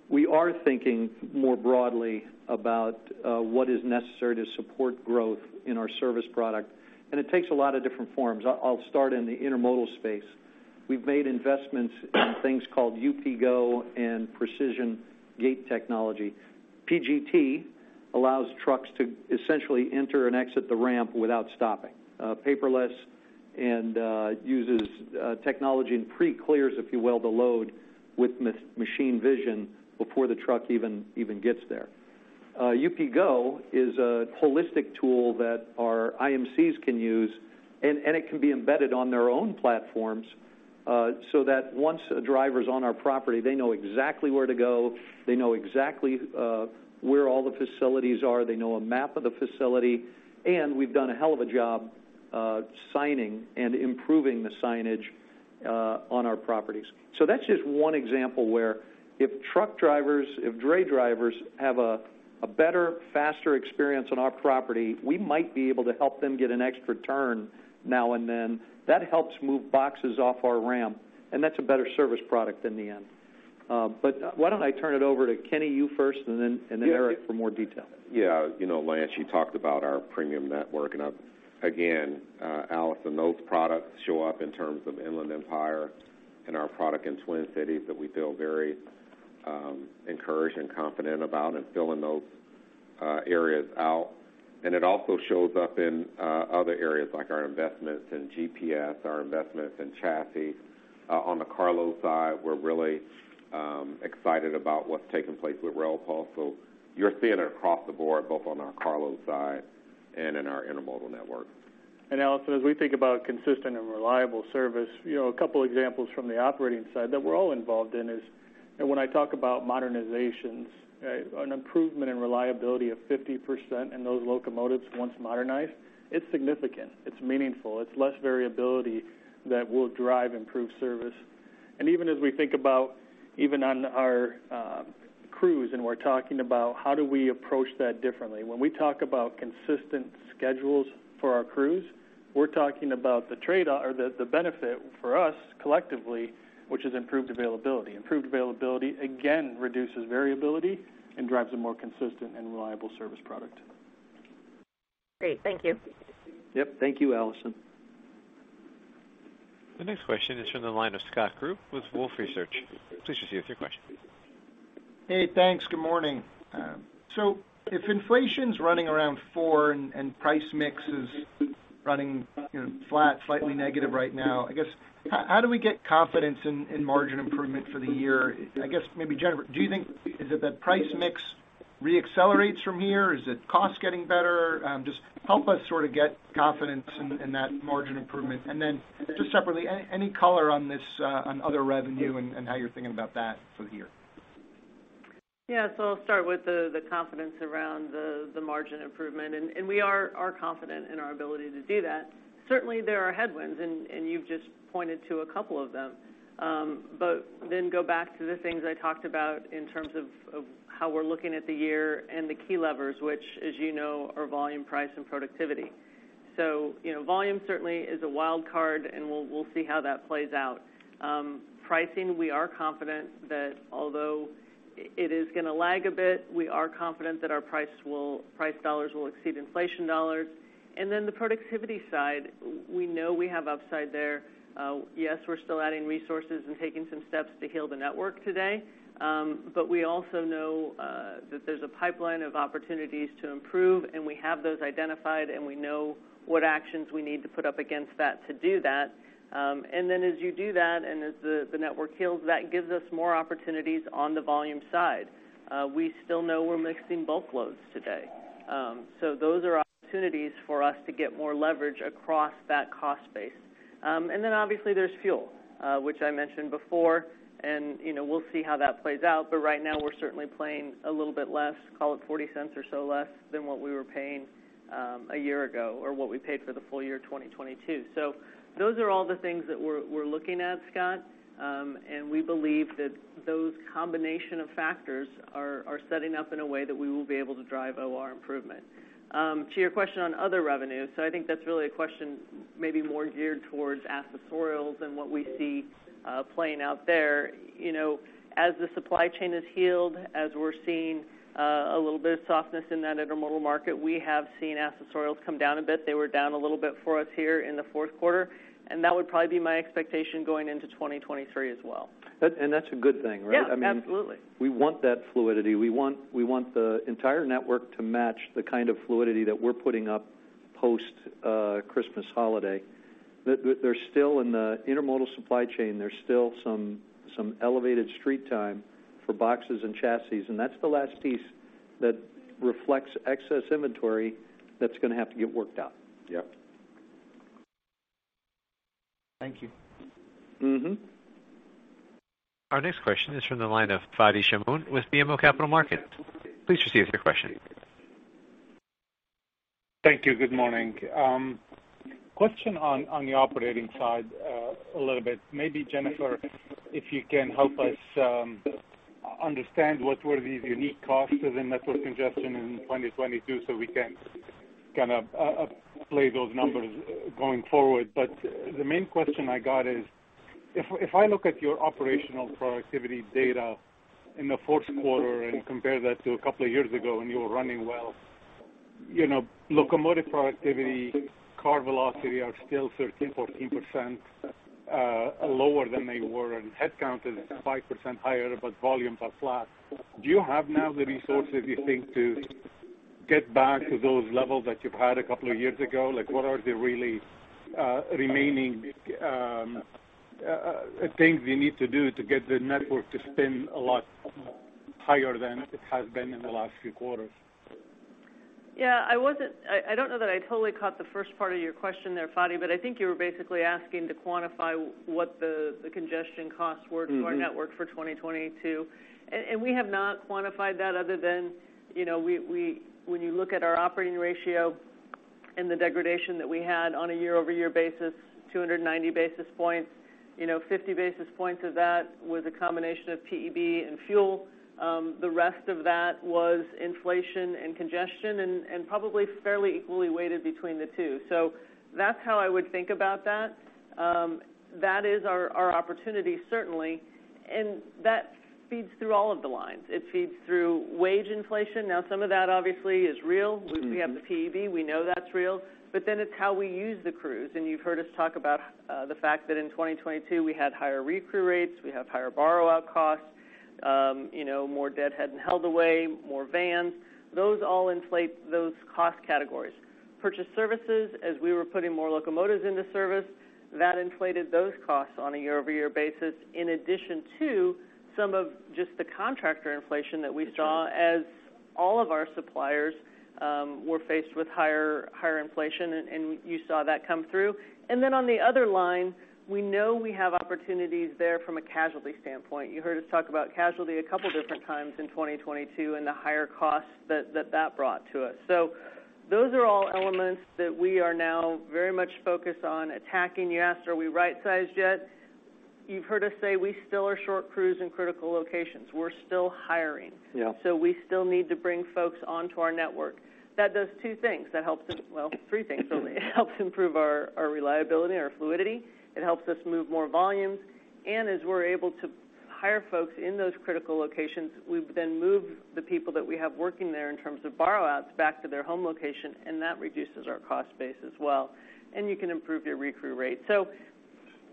We are thinking more broadly about what is necessary to support growth in our service product, and it takes a lot of different forms. I'll start in the intermodal space. We've made investments in things called UPGo and Precision Gate Technology. PGT allows trucks to essentially enter and exit the ramp without stopping, paperless and uses technology and pre-clears, if you will, the load with machine vision before the truck even gets there. UPGO is a holistic tool that our IMCs can use, and it can be embedded on their own platforms, so that once a driver is on our property, they know exactly where to go, they know exactly, where all the facilities are, they know a map of the facility, and we've done a hell of a job, signing and improving the signage, on our properties. That's just one example where if truck drivers, if dray drivers have a better, faster experience on our property, we might be able to help them get an extra turn now and then. That helps move boxes off our ramp, and that's a better service product in the end. Why don't I turn it over to Kenny, you first, and then Eric for more detail. Yeah. You know, Lance, you talked about our premium network. Again, Allison, those products show up in terms of Inland Empire and our product in Twin Cities that we feel very encouraged and confident about in filling those areas out. It also shows up in other areas like our investments in GPS, our investments in chassis. On the carload side, we're really excited about what's taking place with Rail Cargo. You're seeing it across the board, both on our carload side and in our intermodal network. Allison Poliniak, as we think about consistent and reliable service, you know, a couple examples from the operating side that we're all involved in is, and when I talk about modernizations, an improvement in reliability of 50% in those locomotives once modernized, it's significant, it's meaningful, it's less variability that will drive improved service. Even as we think about even on our crews, and we're talking about how do we approach that differently. When we talk about consistent schedules for our crews, we're talking about the benefit for us collectively, which is improved availability. Improved availability, again, reduces variability and drives a more consistent and reliable service product. Great. Thank you. Yep. Thank you, Allison. The next question is from the line of Scott Group with Wolfe Research. Please proceed with your question. Hey, thanks. Good morning. If inflation's running around 4% and price mix is running, you know, flat, slightly negative right now, I guess, how do we get confidence in margin improvement for the year? I guess maybe, Jennifer, do you think is it that price mix re-accelerates from here? Is it cost getting better? Just help us sort of get confidence in that margin improvement. Just separately, any color on this, on other revenue and how you're thinking about that for the year? Yeah. I'll start with the confidence around the margin improvement, and we are confident in our ability to do that. Certainly, there are headwinds, and you've just pointed to a couple of them. Go back to the things I talked about in terms of how we're looking at the year and the key levers, which as you know, are volume, price, and productivity. You know, volume certainly is a wild card, and we'll see how that plays out. Pricing, we are confident that although it is gonna lag a bit, we are confident that our price dollars will exceed inflation dollars. The productivity side, we know we have upside there. Yes, we're still adding resources and taking some steps to heal the network today. We also know that there's a pipeline of opportunities to improve, and we have those identified, and we know what actions we need to put up against that to do that. As you do that and as the network heals, that gives us more opportunities on the volume side. We still know we're mixing bulk loads today. Those are opportunities for us to get more leverage across that cost base. Obviously there's fuel, which I mentioned before, and, you know, we'll see how that plays out. Right now we're certainly playing a little bit less, call it $0.40 or so less than what we were paying a year ago, or what we paid for the full year 2022. Those are all the things that we're looking at, Scott, and we believe that those combination of factors are setting up in a way that we will be able to drive OR improvement. To your question on other revenues, I think that's really a question maybe more geared towards asset sales than what we see playing out there. You know, as the supply chain has healed, as we're seeing a little bit of softness in that intermodal market, we have seen asset sales come down a bit. They were down a little bit for us here in the fourth quarter, that would probably be my expectation going into 2023 as well. That's a good thing, right? Yeah. Absolutely. I mean, we want that fluidity. We want the entire network to match the kind of fluidity that we're putting up post Christmas holiday. There's still in the intermodal supply chain, there's still some elevated street time for boxes and chassis, and that's the last piece that reflects excess inventory that's gonna have to get worked out. Yep. Thank you. Mm-hmm. Our next question is from the line of Fadi Chamoun with BMO Capital Markets. Please proceed with your question. Thank you. Good morning. Question on the operating side, a little bit. Maybe Jennifer, if you can help us understand what were these unique costs within network congestion in 2022 so we can kind of play those numbers going forward. The main question I got is, if I look at your operational productivity data in the fourth quarter and compare that to a couple of years ago when you were running well, you know, locomotive productivity, car velocity are still 13%, 14% lower than they were, and headcount is 5% higher, but volumes are flat. Do you have now the resources you think to get back to those levels that you've had a couple of years ago? Like, what are the really remaining things you need to do to get the network to spin a lot higher than it has been in the last few quarters? Yeah. I don't know that I totally caught the first part of your question there, Fadi, I think you were basically asking to quantify what the congestion costs were to our network for 2022. We have not quantified that other than, you know, we when you look at our operating ratio and the degradation that we had on a year-over-year basis, 290 basis points, you know, 50 basis points of that was a combination of PEB and fuel. The rest of that was inflation and congestion and probably fairly equally weighted between the two. That's how I would think about that. That is our opportunity certainly, and that feeds through all of the lines. It feeds through wage inflation. Now some of that obviously is real. We have the PEB, we know that's real. It's how we use the crews. You've heard us talk about the fact that in 2022 we had higher recrew rates, we have higher borrow-out costs, you know, more deadhead and held away, more vans. Those all inflate those cost categories. Purchase services, as we were putting more locomotives into service, that inflated those costs on a year-over-year basis, in addition to some of just the contractor inflation that we saw as all of our suppliers were faced with higher inflation and you saw that come through. On the other line, we know we have opportunities there from a casualty standpoint. You heard us talk about casualty a couple different times in 2022 and the higher costs that brought to us. Those are all elements that we are now very much focused on attacking. You asked, are we right-sized yet? You've heard us say we still are short crews in critical locations. We're still hiring. Yeah. We still need to bring folks onto our network. That does two things. That helps three things only. It helps improve our reliability, our fluidity, it helps us move more volumes, as we're able to hire folks in those critical locations, we then move the people that we have working there in terms of borrow-outs back to their home location, that reduces our cost base as well, you can improve your recrew rate.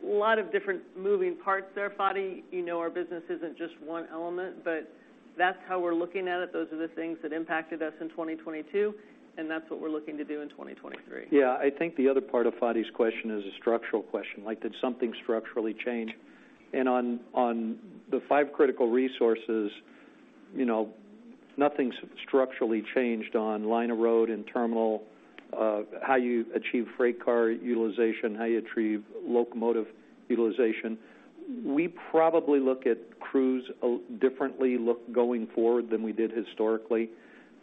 A lot of different moving parts there, Fadi. You know our business isn't just one element, that's how we're looking at it. Those are the things that impacted us in 2022, that's what we're looking to do in 2023. Yeah. I think the other part of Fadi's question is a structural question, like did something structurally change? On the five critical resources, you know, nothing structurally changed on line of road and terminal, how you achieve freight car utilization, how you achieve locomotive utilization. We probably look at crews differently going forward than we did historically.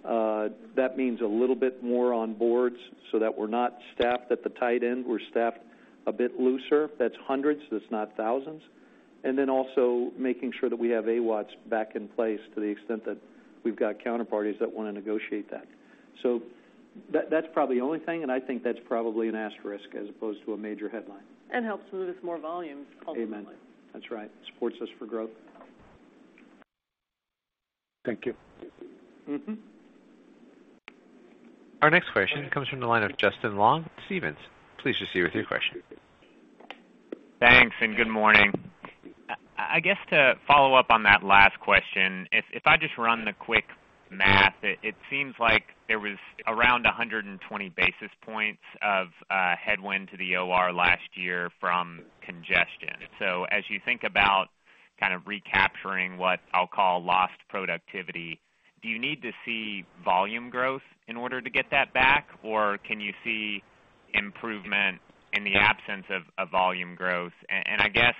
That means a little bit more on boards so that we're not staffed at the tight end, we're staffed a bit looser. That's hundreds, that's not thousands. Also making sure that we have AWATS back in place to the extent that we've got counterparties that wanna negotiate that. That's probably the only thing, and I think that's probably an asterisk as opposed to a major headline. Helps move us more volume ultimately. Amen. That's right. Supports us for growth. Thank you. Mm-hmm. Our next question comes from the line of Justin Long, Stephens. Please proceed with your question. Thanks. Good morning. I guess to follow up on that last question, if I just run the quick math, it seems like there was around 120 basis points of headwind to the OR last year from congestion. As you think about. Kind of recapturing what I'll call lost productivity. Do you need to see volume growth in order to get that back? Can you see improvement in the absence of volume growth? I guess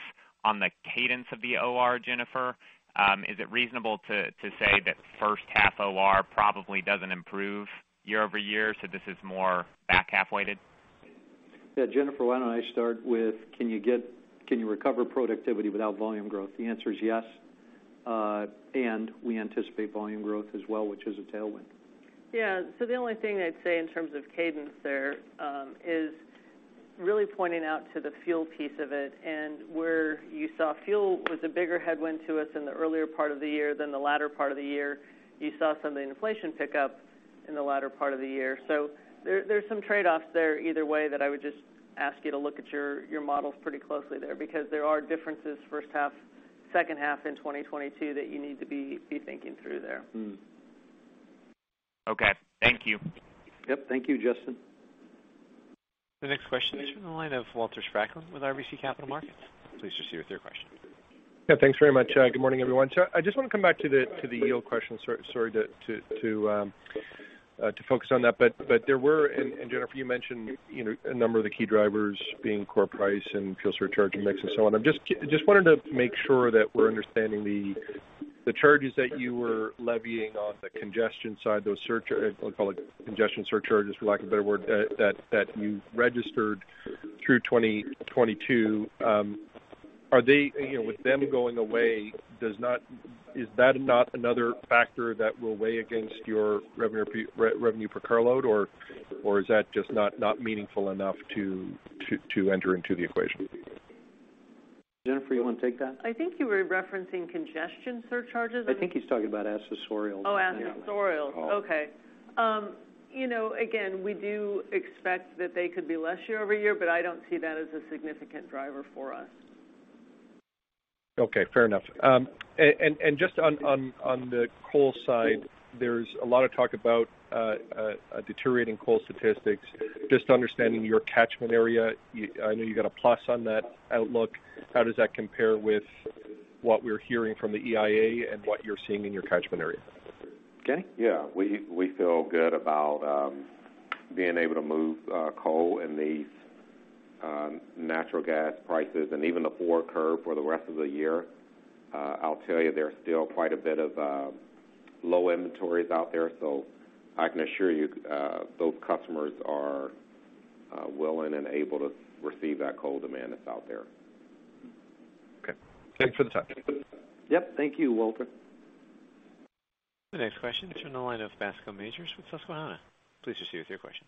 on the cadence of the OR, Jennifer, is it reasonable to say that first half OR probably doesn't improve year-over-year, this is more back half-weighted? Yeah, Jennifer, why don't I start with can you recover productivity without volume growth? The answer is yes. We anticipate volume growth as well, which is a tailwind. Yeah. The only thing I'd say in terms of cadence there, is really pointing out to the fuel piece of it and where you saw fuel was a bigger headwind to us in the earlier part of the year than the latter part of the year. You saw some of the inflation pick up in the latter part of the year. There, there's some trade-offs there either way that I would just ask you to look at your models pretty closely there, because there are differences first half, second half in 2022 that you need to be thinking through there. Okay. Thank you. Yep. Thank you, Justin. The next question is from the line of Walter Spracklin with RBC Capital Markets. Please proceed with your question. Yeah, thanks very much. Good morning, everyone. I just want to come back to the yield question. Sort of to focus on that. There were, Jennifer, you mentioned, you know, a number of the key drivers being core price and fuel surcharge and mix and so on. I just wanted to make sure that we're understanding the charges that you were levying on the congestion side, those I call it congestion surcharges, for lack of a better word, that you registered through 2022. Are they, you know, with them going away, is that not another factor that will weigh against your revenue per carload or is that just not meaningful enough to enter into the equation? Jennifer, you wanna take that? I think you were referencing congestion surcharges. I think he's talking about accessorial. Oh, accessorial. Yeah. Okay. You know, again, we do expect that they could be less year-over-year, but I don't see that as a significant driver for us. Okay. Fair enough. Just on the coal side, there's a lot of talk about deteriorating coal statistics. Just understanding your catchment area, I know you got a plus on that outlook. How does that compare with what we're hearing from the EIA and what you're seeing in your catchment area? Kenny? Yeah. We feel good about being able to move coal and these natural gas prices and even the forward curve for the rest of the year. I'll tell you, there's still quite a bit of low inventories out there, so I can assure you, those customers are willing and able to receive that coal demand that's out there. Okay. Thanks for the touch. Yep. Thank you, Walter. The next question is from the line of Bascome Majors with Susquehanna. Please proceed with your question.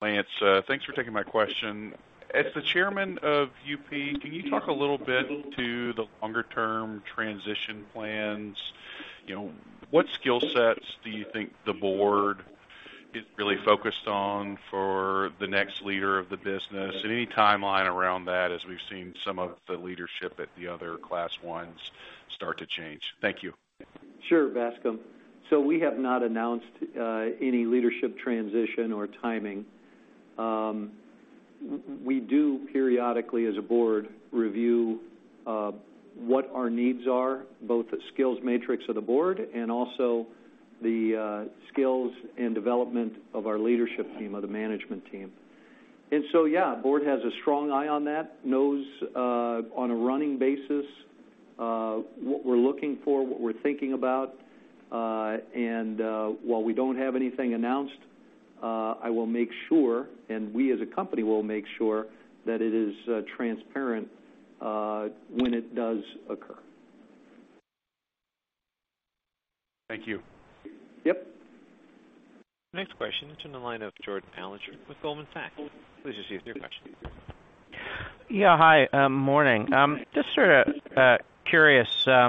Lance, thanks for taking my question. As the Chairman of UP, can you talk a little bit to the longer term transition plans? You know, what skill sets do you think the board is really focused on for the next leader of the business? Any timeline around that as we've seen some of the leadership at the other Class I start to change? Thank you. Sure, Bascome. We have not announced any leadership transition or timing. We do periodically, as a board, review what our needs are, both the skills matrix of the board and also the skills and development of our leadership team or the management team. Yeah, board has a strong eye on that, knows on a running basis what we're looking for, what we're thinking about. While we don't have anything announced, I will make sure, and we as a company will make sure that it is transparent when it does occur. Thank you. Yep. Next question is on the line of Jordan Alliger with Goldman Sachs. Please proceed with your question. Yeah. Hi. Morning. Just sort of curious, I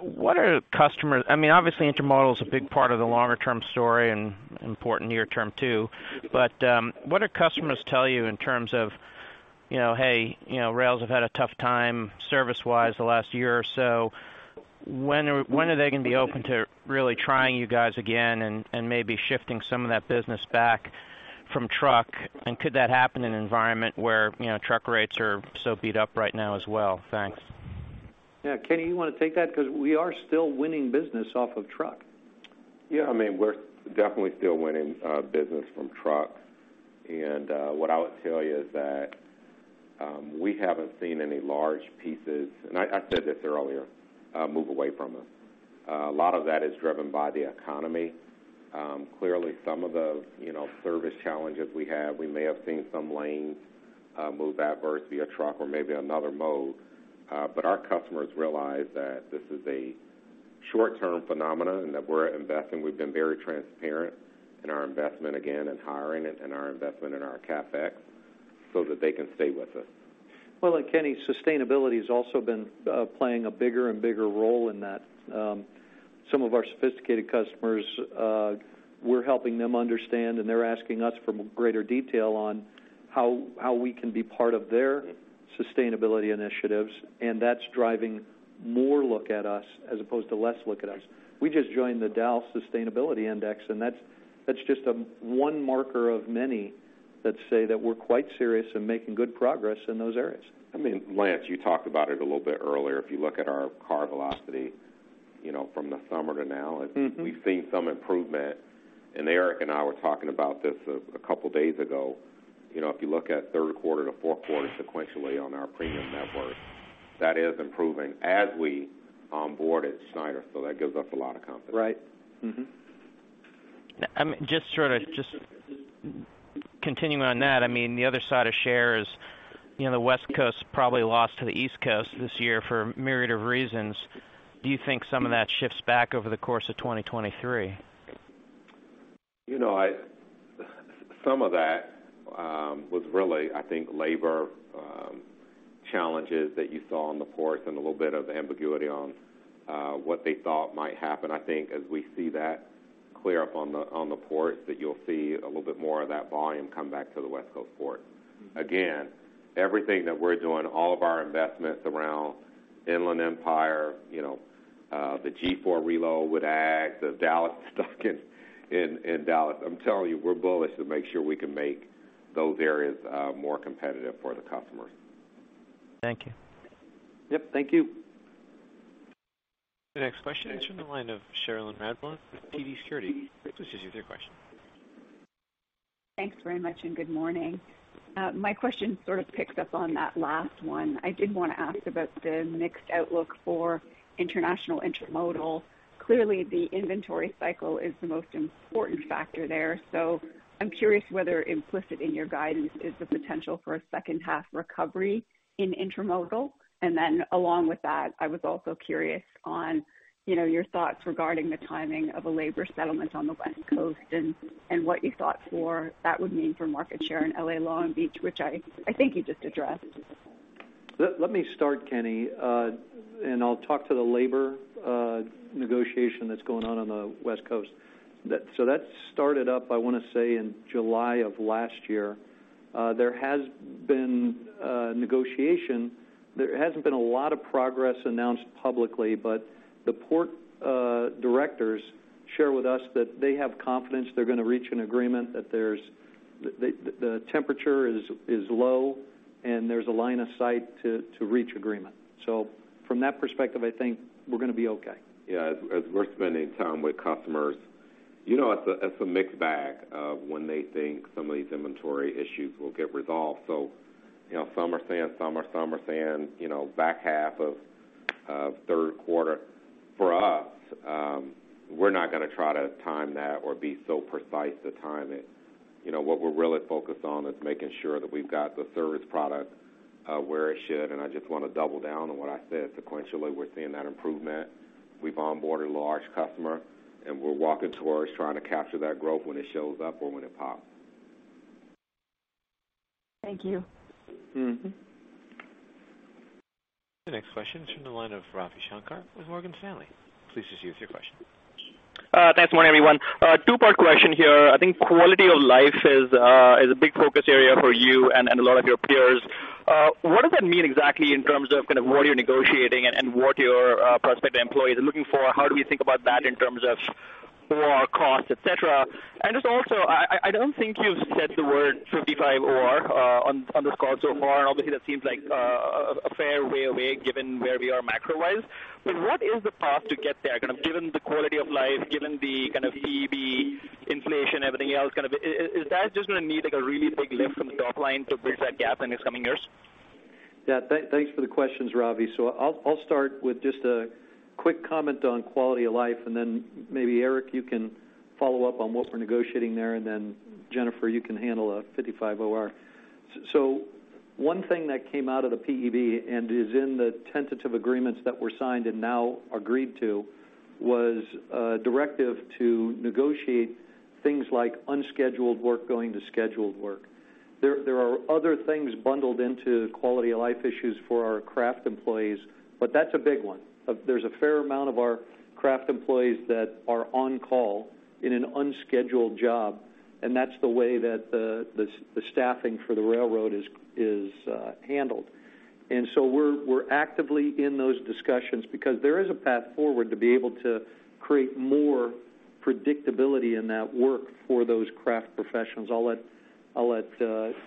mean, obviously, intermodal is a big part of the longer term story and important near term too. What are customers tell you in terms of, you know, "Hey, you know, rails have had a tough time service-wise the last year or so." When are they gonna be open to really trying you guys again and maybe shifting some of that business back from truck? Could that happen in an environment where, you know, truck rates are so beat up right now as well? Thanks. Yeah. Kenny, you wanna take that because we are still winning business off of truck. Yeah, I mean, we're definitely still winning business from truck. What I would tell you is that we haven't seen any large pieces, and I said this earlier, move away from us. A lot of that is driven by the economy. Clearly, some of the, you know, service challenges we have, we may have seen some lanes move adverse via truck or maybe another mode. Our customers realize that this is a short-term phenomenon and that we're investing. We've been very transparent in our investment, again, in hiring and our investment in our CapEx so that they can stay with us. Well, Kenny, sustainability has also been playing a bigger and bigger role in that. Some of our sophisticated customers, we're helping them understand, and they're asking us for greater detail on how we can be part of their sustainability initiatives, and that's driving more look at us as opposed to less look at us. We just joined the Dow Jones Sustainability Index, and that's just one marker of many. Let's say that we're quite serious in making good progress in those areas. I mean, Lance, you talked about it a little bit earlier. If you look at our car velocity, you know, from the summer to now. Mm-hmm. We've seen some improvement. Eric and I were talking about this a couple days ago. You know, if you look at third quarter to fourth quarter sequentially on our premium network, that is improving as we onboarded Schneider, that gives us a lot of confidence. Right. Mm-hmm. Just continuing on that, I mean, the other side of share is, you know, the West Coast probably lost to the East Coast this year for a myriad of reasons. Do you think some of that shifts back over the course of 2023? You know, Some of that was really, I think, labor challenges that you saw on the ports and a little bit of ambiguity on what they thought might happen. I think as we see that clear up on the ports, that you'll see a little bit more of that volume come back to the West Coast port. Again, everything that we're doing, all of our investments around Inland Empire, you know, the G4 reload with Ag, the Dallas stuck in Dallas. I'm telling you, we're bullish to make sure we can make those areas more competitive for the customers. Thank you. Yep, thank you. The next question is from the line of Cherilyn Radwan with TD Cowen. Please just your question. Thanks very much. Good morning. My question sort of picks up on that last one. I did wanna ask about the mixed outlook for international intermodal. Clearly, the inventory cycle is the most important factor there. I'm curious whether implicit in your guidance is the potential for a second half recovery in intermodal. Then along with that, I was also curious on, you know, your thoughts regarding the timing of a labor settlement on the West Coast and what you thought for that would mean for market share in L.A. Long Beach, which I think you just addressed. Let me start, Kenny, I'll talk to the labor negotiation that's going on on the West Coast. That started up, I wanna say, in July of last year. There has been negotiation. There hasn't been a lot of progress announced publicly, the port directors share with us that they have confidence they're gonna reach an agreement, that the temperature is low, and there's a line of sight to reach agreement. From that perspective, I think we're gonna be okay. As we're spending time with customers, you know, it's a mixed bag of when they think some of these inventory issues will get resolved. You know, some are saying summer, some are saying, you know, back half of third quarter. For us, we're not gonna try to time that or be so precise to time it. You know, what we're really focused on is making sure that we've got the service product where it should. I just wanna double down on what I said. Sequentially, we're seeing that improvement. We've onboarded a large customer, we're walking towards trying to capture that growth when it shows up or when it pops. Thank you. Mm-hmm. The next question is from the line of Ravi Shanker with Morgan Stanley. Please just your question. Thanks, morning, everyone. A two-part question here. I think quality of life is a big focus area for you and a lot of your peers. What does that mean exactly in terms of kind of what you're negotiating and what your prospective employees are looking for? How do we think about that in terms of war costs, et cetera? Just also, I don't think you've said the word 55 OR on this call so far. Obviously, that seems like a fair way away given where we are macro-wise. What is the path to get there, kind of given the quality of life, given the kind of PEB inflation, everything else kind of, is that just gonna need, like, a really big lift from the top line to bridge that gap in these coming years? Yeah, thanks for the questions, Ravi. I'll start with just a quick comment on quality of life, and then maybe Eric, you can follow up on what we're negotiating there. Jennifer, you can handle 55 OR. One thing that came out of the PEB and is in the tentative agreements that were signed and now agreed to, was a directive to negotiate things like unscheduled work going to scheduled work. There are other things bundled into quality of life issues for our craft employees, but that's a big one. There's a fair amount of our craft employees that are on call in an unscheduled job, and that's the way that the staffing for the railroad is handled. We're actively in those discussions because there is a path forward to be able to create more predictability in that work for those craft professionals. I'll let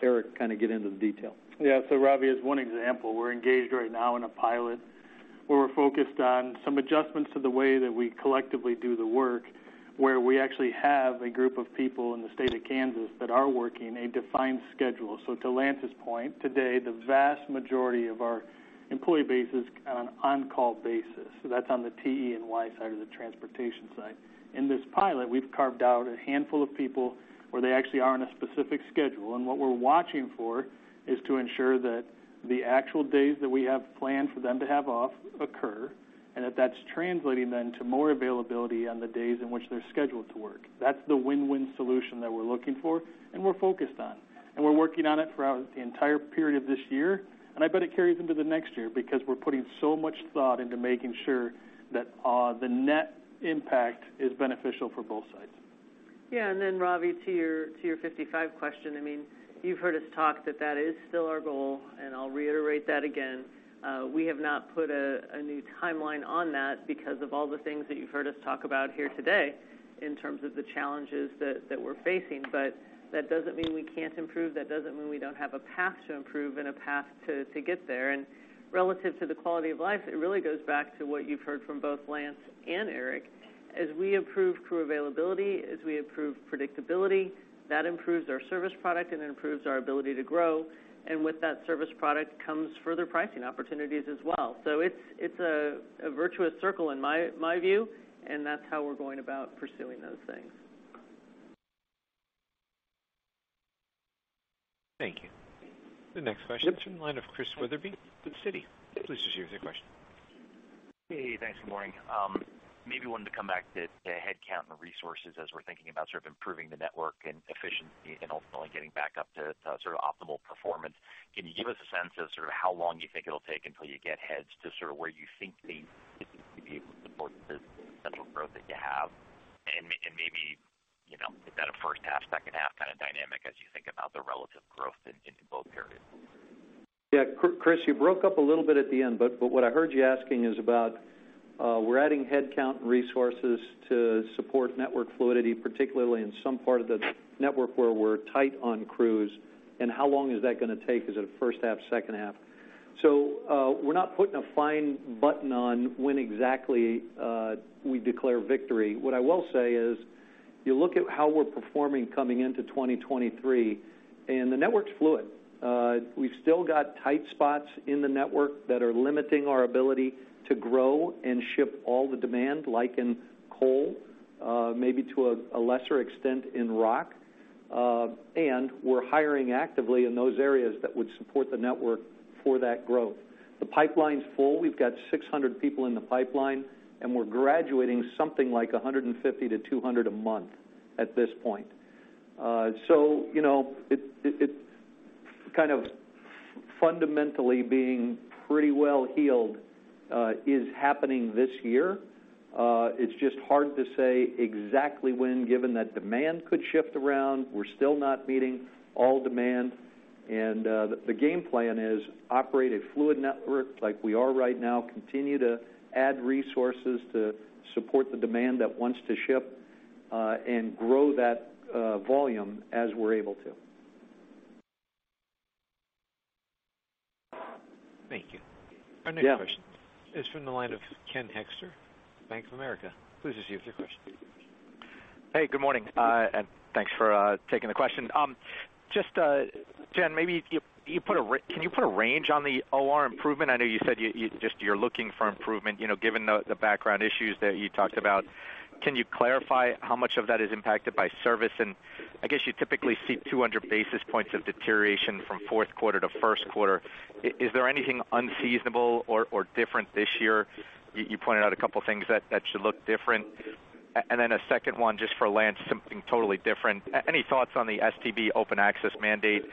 Eric kind of get into the detail. Yeah. Ravi, as one example, we're engaged right now in a pilot where we're focused on some adjustments to the way that we collectively do the work, where we actually have a group of people in the state of Kansas that are working a defined schedule. To Lance's point, today, the vast majority of our employee base is on an on-call basis. That's on the TE&Y side of the transportation side. In this pilot, we've carved out a handful of people where they actually are on a specific schedule. What we're watching for is to ensure that the actual days that we have planned for them to have off occur, and that that's translating then to more availability on the days in which they're scheduled to work. That's the win-win solution that we're looking for and we're focused on, and we're working on it throughout the entire period of this year. I bet it carries into the next year because we're putting so much thought into making sure that the net impact is beneficial for both sides. Yeah. Then, Ravi, to your 55 question, I mean, you've heard us talk that that is still our goal, and I'll reiterate that again. We have not put a new timeline on that because of all the things that you've heard us talk about here today. In terms of the challenges that we're facing. That doesn't mean we can't improve. That doesn't mean we don't have a path to improve and a path to get there. Relative to the quality of life, it really goes back to what you've heard from both Lance and Eric. As we improve crew availability, as we improve predictability, that improves our service product and improves our ability to grow. With that service product comes further pricing opportunities as well. It's a virtuous circle in my view, and that's how we're going about pursuing those things. Thank you. The next question is from the line of Christian Wetherbee with Citi. Please proceed with your question. Hey, thanks. Good morning. Maybe wanted to come back to the headcount and resources as we're thinking about sort of improving the network and efficiency and ultimately getting back up to sort of optimal performance. Can you give us a sense of sort of how long you think it'll take until you get heads to sort of where you think they need to be able to support the central growth that you have? Maybe, you know, is that a first half, second half kind of dynamic as you think about the relative growth in, into both periods? Chris, you broke up a little bit at the end, but what I heard you asking is about, we're adding headcount and resources to support network fluidity, particularly in some part of the network where we're tight on crews, and how long is that gonna take? Is it a first half, second half? We're not putting a fine button on when exactly we declare victory. What I will say is, you look at how we're performing coming into 2023, and the network's fluid. We've still got tight spots in the network that are limiting our ability to grow and ship all the demand, like in coal, maybe to a lesser extent in rock. We're hiring actively in those areas that would support the network for that growth. The pipeline's full. We've got 600 people in the pipeline, and we're graduating something like 150-200 a month at this point. you know, it kind of fundamentally being pretty well healed, is happening this year. It's just hard to say exactly when, given that demand could shift around. We're still not meeting all demand. the game plan is operate a fluid network like we are right now, continue to add resources to support the demand that wants to ship, and grow that volume as we're able to. Thank you. Yeah. Our next question is from the line of Ken Hoexter, Bank of America. Please proceed with your question. Hey, good morning. Thanks for taking the question. Just, Jen, maybe you can you put a range on the OR improvement? I know you said you just, you're looking for improvement, you know, given the background issues that you talked about. Can you clarify how much of that is impacted by service? I guess, you typically see 200 basis points of deterioration from fourth quarter to first quarter. Is there anything unseasonable or different this year? You pointed out a couple things that should look different. Then a second one just for Lance, something totally different. Any thoughts on the STB open access mandate?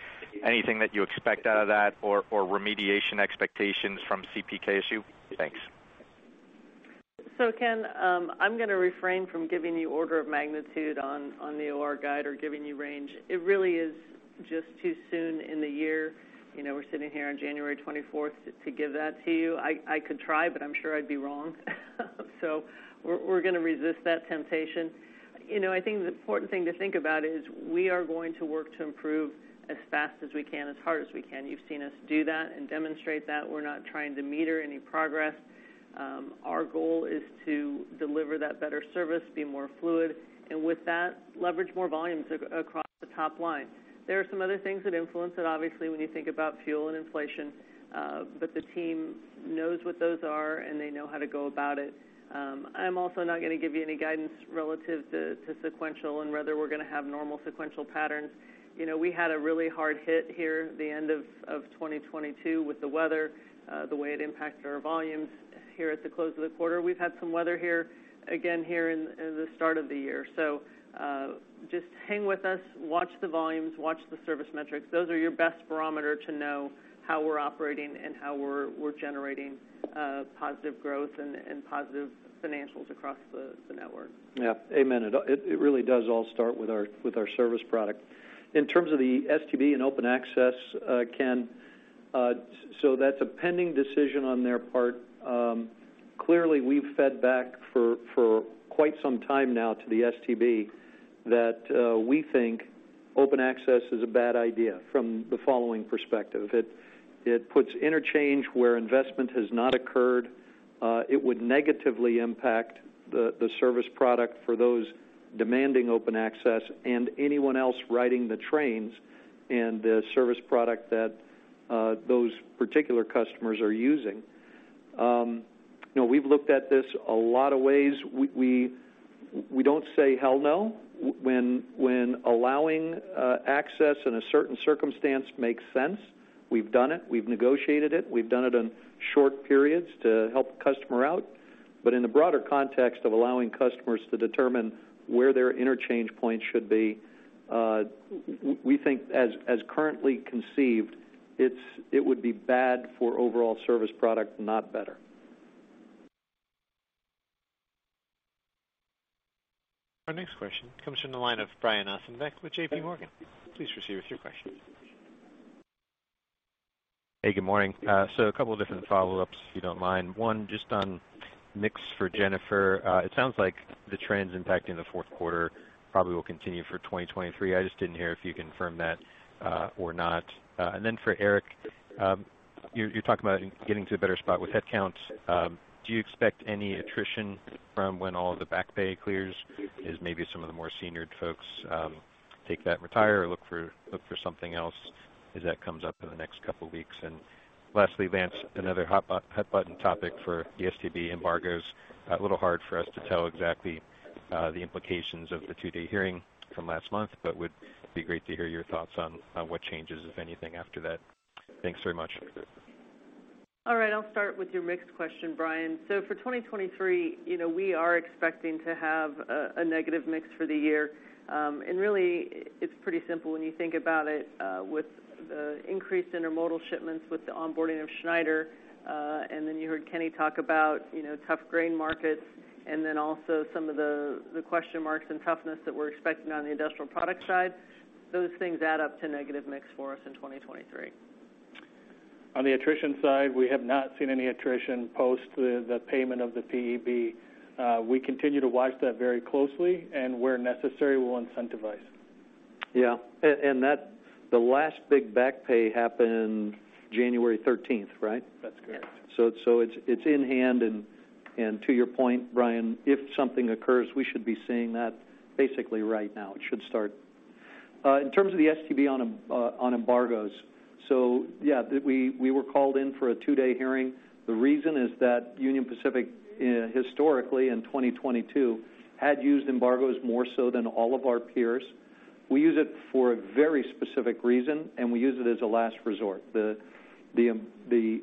Anything that you expect out of that or remediation expectations from CP/KCS issue? Thanks. Ken, I'm gonna refrain from giving you order of magnitude on the OR guide or giving you range. It really is just too soon in the year, you know, we're sitting here on January 24th, to give that to you. I could try, but I'm sure I'd be wrong. We're, we're gonna resist that temptation. You know, I think the important thing to think about is we are going to work to improve as fast as we can, as hard as we can. You've seen us do that and demonstrate that. We're not trying to meter any progress. Our goal is to deliver that better service, be more fluid, and with that, leverage more volumes across the top line. There are some other things that influence it, obviously, when you think about fuel and inflation, but the team knows what those are, and they know how to go about it. I'm also not gonna give you any guidance relative to sequential and whether we're gonna have normal sequential patterns. You know, we had a really hard hit here the end of 2022 with the weather, the way it impacted our volumes here at the close of the quarter. We've had some weather here, again, here in the start of the year. Just hang with us, watch the volumes, watch the service metrics. Those are your best barometer to know how we're operating and how we're generating positive growth and positive financials across the network. Yeah. Amen. It really does all start with our service product. In terms of the STB and open access, Ken, that's a pending decision on their part. Clearly, we've fed back for quite some time now to the STB that we think open access is a bad idea from the following perspective. It puts interchange where investment has not occurred. It would negatively impact the service product for those demanding open access and anyone else riding the trains and the service product that those particular customers are using. You know, we've looked at this a lot of ways. We don't say hell no when allowing access in a certain circumstance makes sense. We've done it. We've negotiated it. We've done it in short periods to help a customer out. In the broader context of allowing customers to determine where their interchange point should be, we think as currently conceived, it would be bad for overall service product, not better. Our next question comes from the line of Brian Ossenbeck with JP Morgan. Please proceed with your question. Hey, good morning. A couple of different follow-ups, if you don't mind. One, just on mix for Jennifer. It sounds like the trends impacting the fourth quarter probably will continue for 2023. I just didn't hear if you confirm that or not. For Eric, you're talking about getting to a better spot with headcounts. Do you expect any attrition from when all of the back pay clears as maybe some of the more senior folks take that and retire or look for something else as that comes up in the next couple of weeks? Lastly, Lance, another hot button topic for the STB embargoes. A little hard for us to tell exactly, the implications of the two-day hearing from last month, but would be great to hear your thoughts on what changes, if anything, after that. Thanks very much. All right, I'll start with your mixed question, Brian. For 2023, you know, we are expecting to have a negative mix for the year. Really, it's pretty simple when you think about it, with the increased intermodal shipments with the onboarding of Schneider, then you heard Kenny talk about, you know, tough grain markets and then also some of the question marks and toughness that we're expecting on the industrial product side. Those things add up to negative mix for us in 2023. On the attrition side, we have not seen any attrition post the payment of the PEB. We continue to watch that very closely. Where necessary, we'll incentivize. Yeah. That the last big back pay happened January thirteenth, right? That's correct. It's in hand. To your point, Brian, if something occurs, we should be seeing that basically right now. It should start. In terms of the STB on embargoes. We were called in for a two-day hearing. The reason is that Union Pacific historically in 2022 had used embargoes more so than all of our peers. We use it for a very specific reason, and we use it as a last resort. The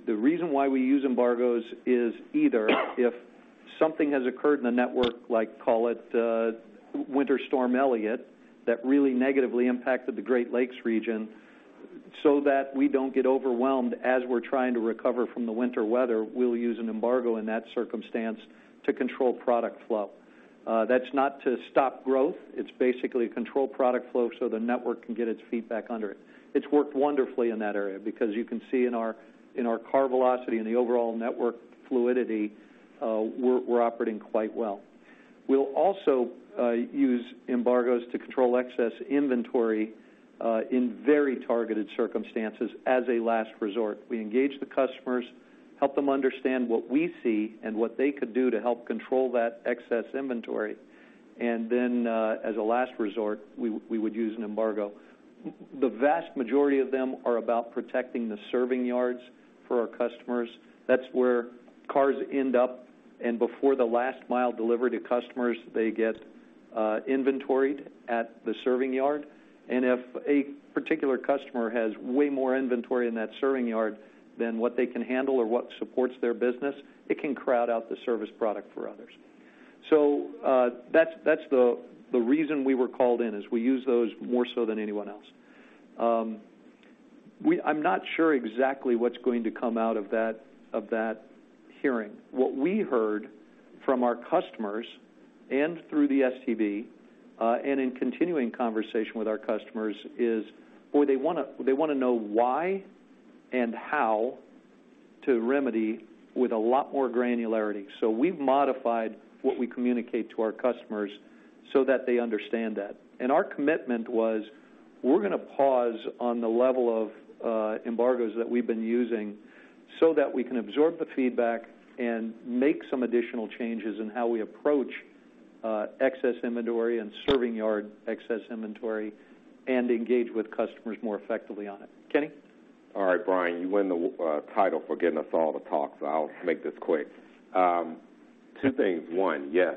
reason why we use embargoes is either if something has occurred in the network, like call it Winter Storm Elliott, that really negatively impacted the Great Lakes region, so that we don't get overwhelmed as we're trying to recover from the winter weather, we'll use an embargo in that circumstance to control product flow. That's not to stop growth. It's basically to control product flow so the network can get its feet back under it. It's worked wonderfully in that area because you can see in our car velocity and the overall network fluidity, we're operating quite well. We'll also use embargoes to control excess inventory in very targeted circumstances as a last resort. We engage the customers, help them understand what we see and what they could do to help control that excess inventory. Then, as a last resort, we would use an embargo. The vast majority of them are about protecting the serving yards for our customers. That's where cars end up, and before the last mile delivery to customers, they get inventoried at the serving yard. If a particular customer has way more inventory in that serving yard than what they can handle or what supports their business, it can crowd out the service product for others. That's the reason we were called in, is we use those more so than anyone else. I'm not sure exactly what's going to come out of that, of that hearing. What we heard from our customers and through the STB, and in continuing conversation with our customers is, boy, they wanna know why and how to remedy with a lot more granularity. We've modified what we communicate to our customers so that they understand that. Our commitment was, we're gonna pause on the level of embargoes that we've been using so that we can absorb the feedback and make some additional changes in how we approach excess inventory and serving yard excess inventory and engage with customers more effectively on it. Kenny? All right, Brian, you win the title for getting us all to talk, so I'll make this quick. Two things. One, yes,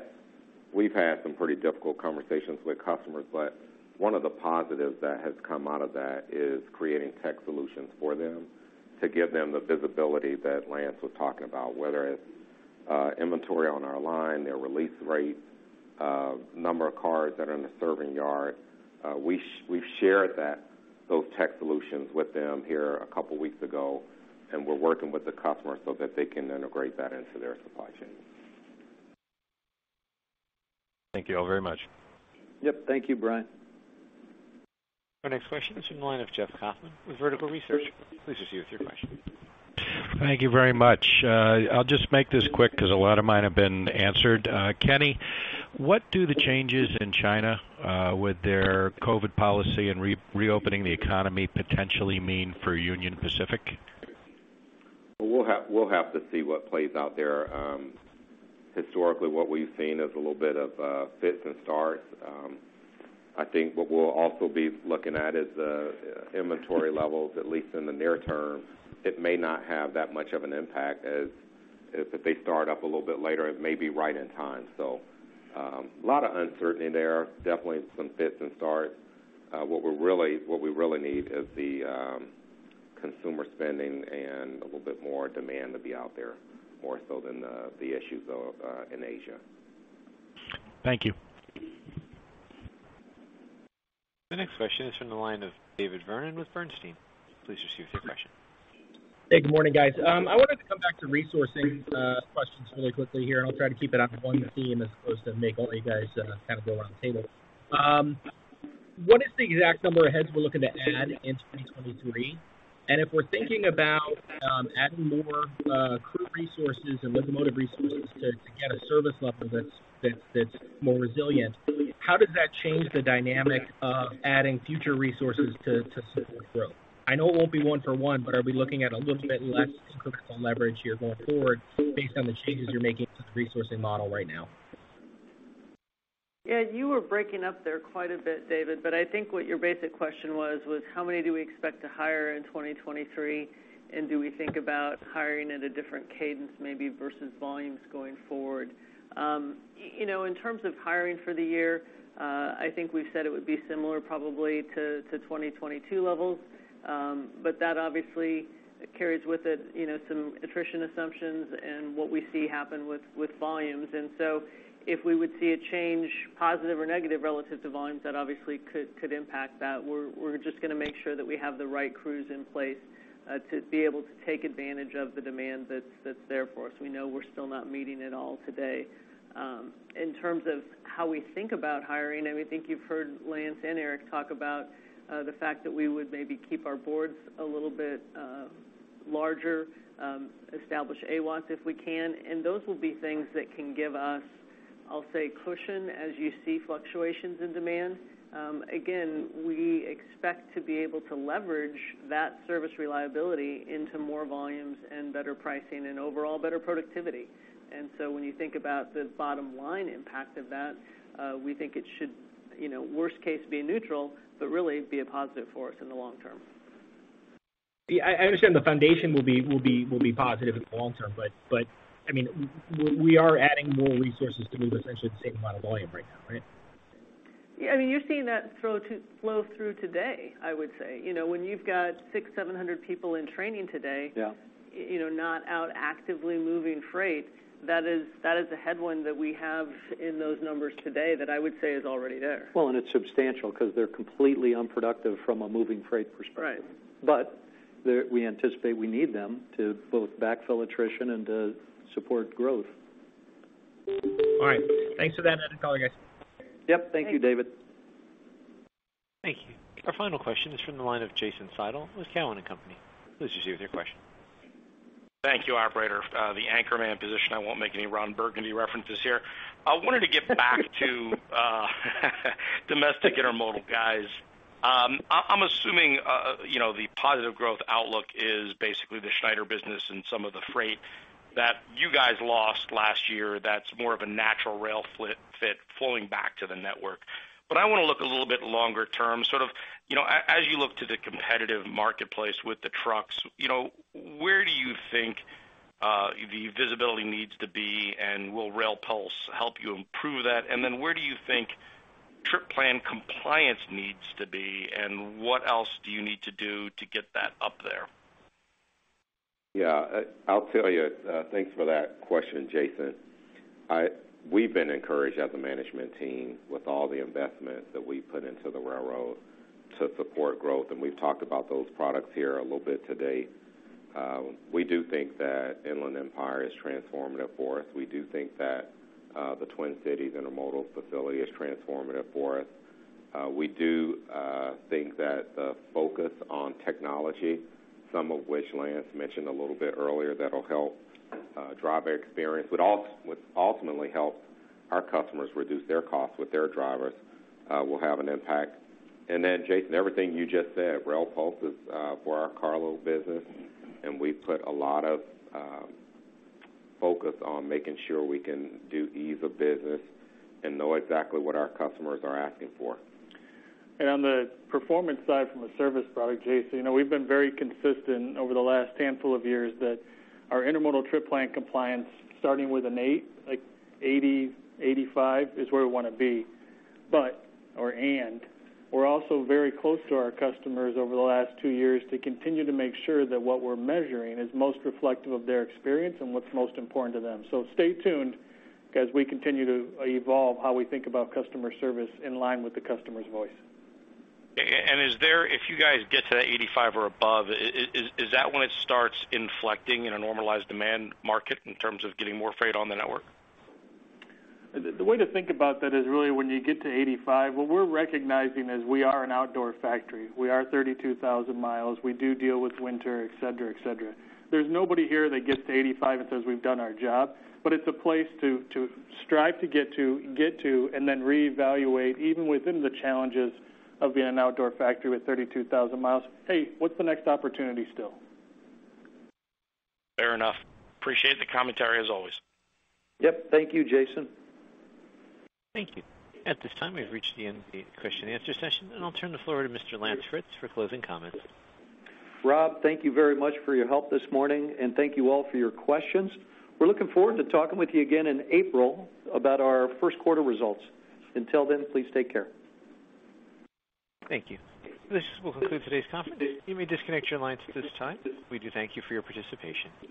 we've had some pretty difficult conversations with customers, but one of the positives that has come out of that is creating tech solutions for them to give them the visibility that Lance was talking about, whether it's inventory on our line, their release rates, number of cars that are in the serving yard. We've shared that, those tech solutions with them here a couple weeks ago, and we're working with the customer so that they can integrate that into their supply chain. Thank you all very much. Yep. Thank you, Brian. Our next question is from the line of Jeff Kauffman with Vertical Research. Please proceed with your question. Thank you very much. I'll just make this quick because a lot of mine have been answered. Kenny, what do the changes in China, with their COVID policy and reopening the economy potentially mean for Union Pacific? We'll have to see what plays out there. Historically, what we've seen is a little bit of fits and starts. I think what we'll also be looking at is the inventory levels, at least in the near term. It may not have that much of an impact as if they start up a little bit later, it may be right in time. A lot of uncertainty there, definitely some fits and starts. What we really need is the consumer spending and a little bit more demand to be out there more so than the issues in Asia. Thank you. The next question is from the line of David Vernon with Bernstein. Please proceed with your question. Hey, good morning, guys. I wanted to come back to resourcing, questions really quickly here. I'll try to keep it on one team as opposed to make all you guys, kind of go around the table. What is the exact number of heads we're looking to add in 2023? If we're thinking about adding more crew resources and locomotive resources to get a service level that's more resilient, how does that change the dynamic of adding future resources to support growth? I know it won't be one for one, but are we looking at a little bit less incremental leverage here going forward based on the changes you're making to the resourcing model right now? Yeah, you were breaking up there quite a bit, David, I think what your basic question was how many do we expect to hire in 2023, and do we think about hiring at a different cadence maybe versus volumes going forward? You know, in terms of hiring for the year, I think we've said it would be similar probably to 2022 levels. That obviously carries with it, you know, some attrition assumptions and what we see happen with volumes. If we would see a change, positive or negative relative to volumes, that obviously could impact that. We're just gonna make sure that we have the right crews in place to be able to take advantage of the demand that's there for us. We know we're still not meeting it all today. In terms of how we think about hiring, think you've heard Lance and Eric talk about the fact that we would maybe keep our boards a little bit larger, establish AWOS if we can, and those will be things that can give us, I'll say, cushion as you see fluctuations in demand. Again, we expect to be able to leverage that service reliability into more volumes and better pricing and overall better productivity. When you think about the bottom line impact of that, we think it should, you know, worst case, be neutral, but really be a positive for us in the long term. I understand the foundation will be positive in the long term, but I mean, we are adding more resources to move essentially the same amount of volume right now, right? Yeah. I mean, you're seeing that flow through today, I would say. You know, when you've got 600, 700 people in training today- Yeah. You know, not out actively moving freight, that is, that is a headwind that we have in those numbers today that I would say is already there. Well, it's substantial because they're completely unproductive from a moving freight perspective. Right. We anticipate we need them to both backfill attrition and to support growth. All right. Thanks for that. I gotta go, guys. Yep. Thank you, David. Thank you. Our final question is from the line of Jason Seidl with Cowen and Company. Please proceed with your question. Thank you, operator. The anchorman position, I won't make any Ron Burgundy references here. I wanted to get back to domestic intermodal guys. I'm assuming, you know, the positive growth outlook is basically the Schneider business and some of the freight that you guys lost last year that's more of a natural rail fit flowing back to the network. I wanna look a little bit longer term, sort of, you know, as you look to the competitive marketplace with the trucks, you know, where do you think the visibility needs to be, and will Rail Pulse help you improve that? Where do you think trip plan compliance needs to be, and what else do you need to do to get that up there? Yeah. I'll tell you. Thanks for that question, Jason. We've been encouraged as a management team with all the investment that we put into the railroad to support growth, and we've talked about those products here a little bit today. We do think that Inland Empire is transformative for us. We do think that the Twin Cities Intermodal facility is transformative for us. We do think that the focus on technology, some of which Lance mentioned a little bit earlier, that'll help driver experience, which ultimately helps our customers reduce their costs with their drivers, will have an impact. Jason, everything you just said, RailPulse is for our Rail Cargo business, and we put a lot of focus on making sure we can do ease of business and know exactly what our customers are asking for. On the performance side from a service product, Jason Seidl, you know, we've been very consistent over the last handful of years that our intermodal Trip Plan Compliance starting with an 8, like 80, 85 is where we wanna be. We're also very close to our customers over the last two years to continue to make sure that what we're measuring is most reflective of their experience and what's most important to them. Stay tuned as we continue to evolve how we think about customer service in line with the customer's voice. If you guys get to that 85 or above, is that when it starts inflecting in a normalized demand market in terms of getting more freight on the network? The way to think about that is really when you get to 85, what we're recognizing is we are an outdoor factory. We are 32,000 miles. We do deal with winter, et cetera, et cetera. There's nobody here that gets to 85 and says, "We've done our job," but it's a place to strive to get to, and then reevaluate even within the challenges of being an outdoor factory with 32,000 miles, "Hey, what's the next opportunity still? Fair enough. Appreciate the commentary as always. Yep. Thank you, Jason. Thank you. At this time, we've reached the end of the question and answer session, and I'll turn the floor to Mr. Lance Fritz for closing comments. Rob, thank you very much for your help this morning. Thank you all for your questions. We're looking forward to talking with you again in April about our first quarter results. Until then, please take care. Thank you. This will conclude today's conference. You may disconnect your lines at this time. We do thank you for your participation.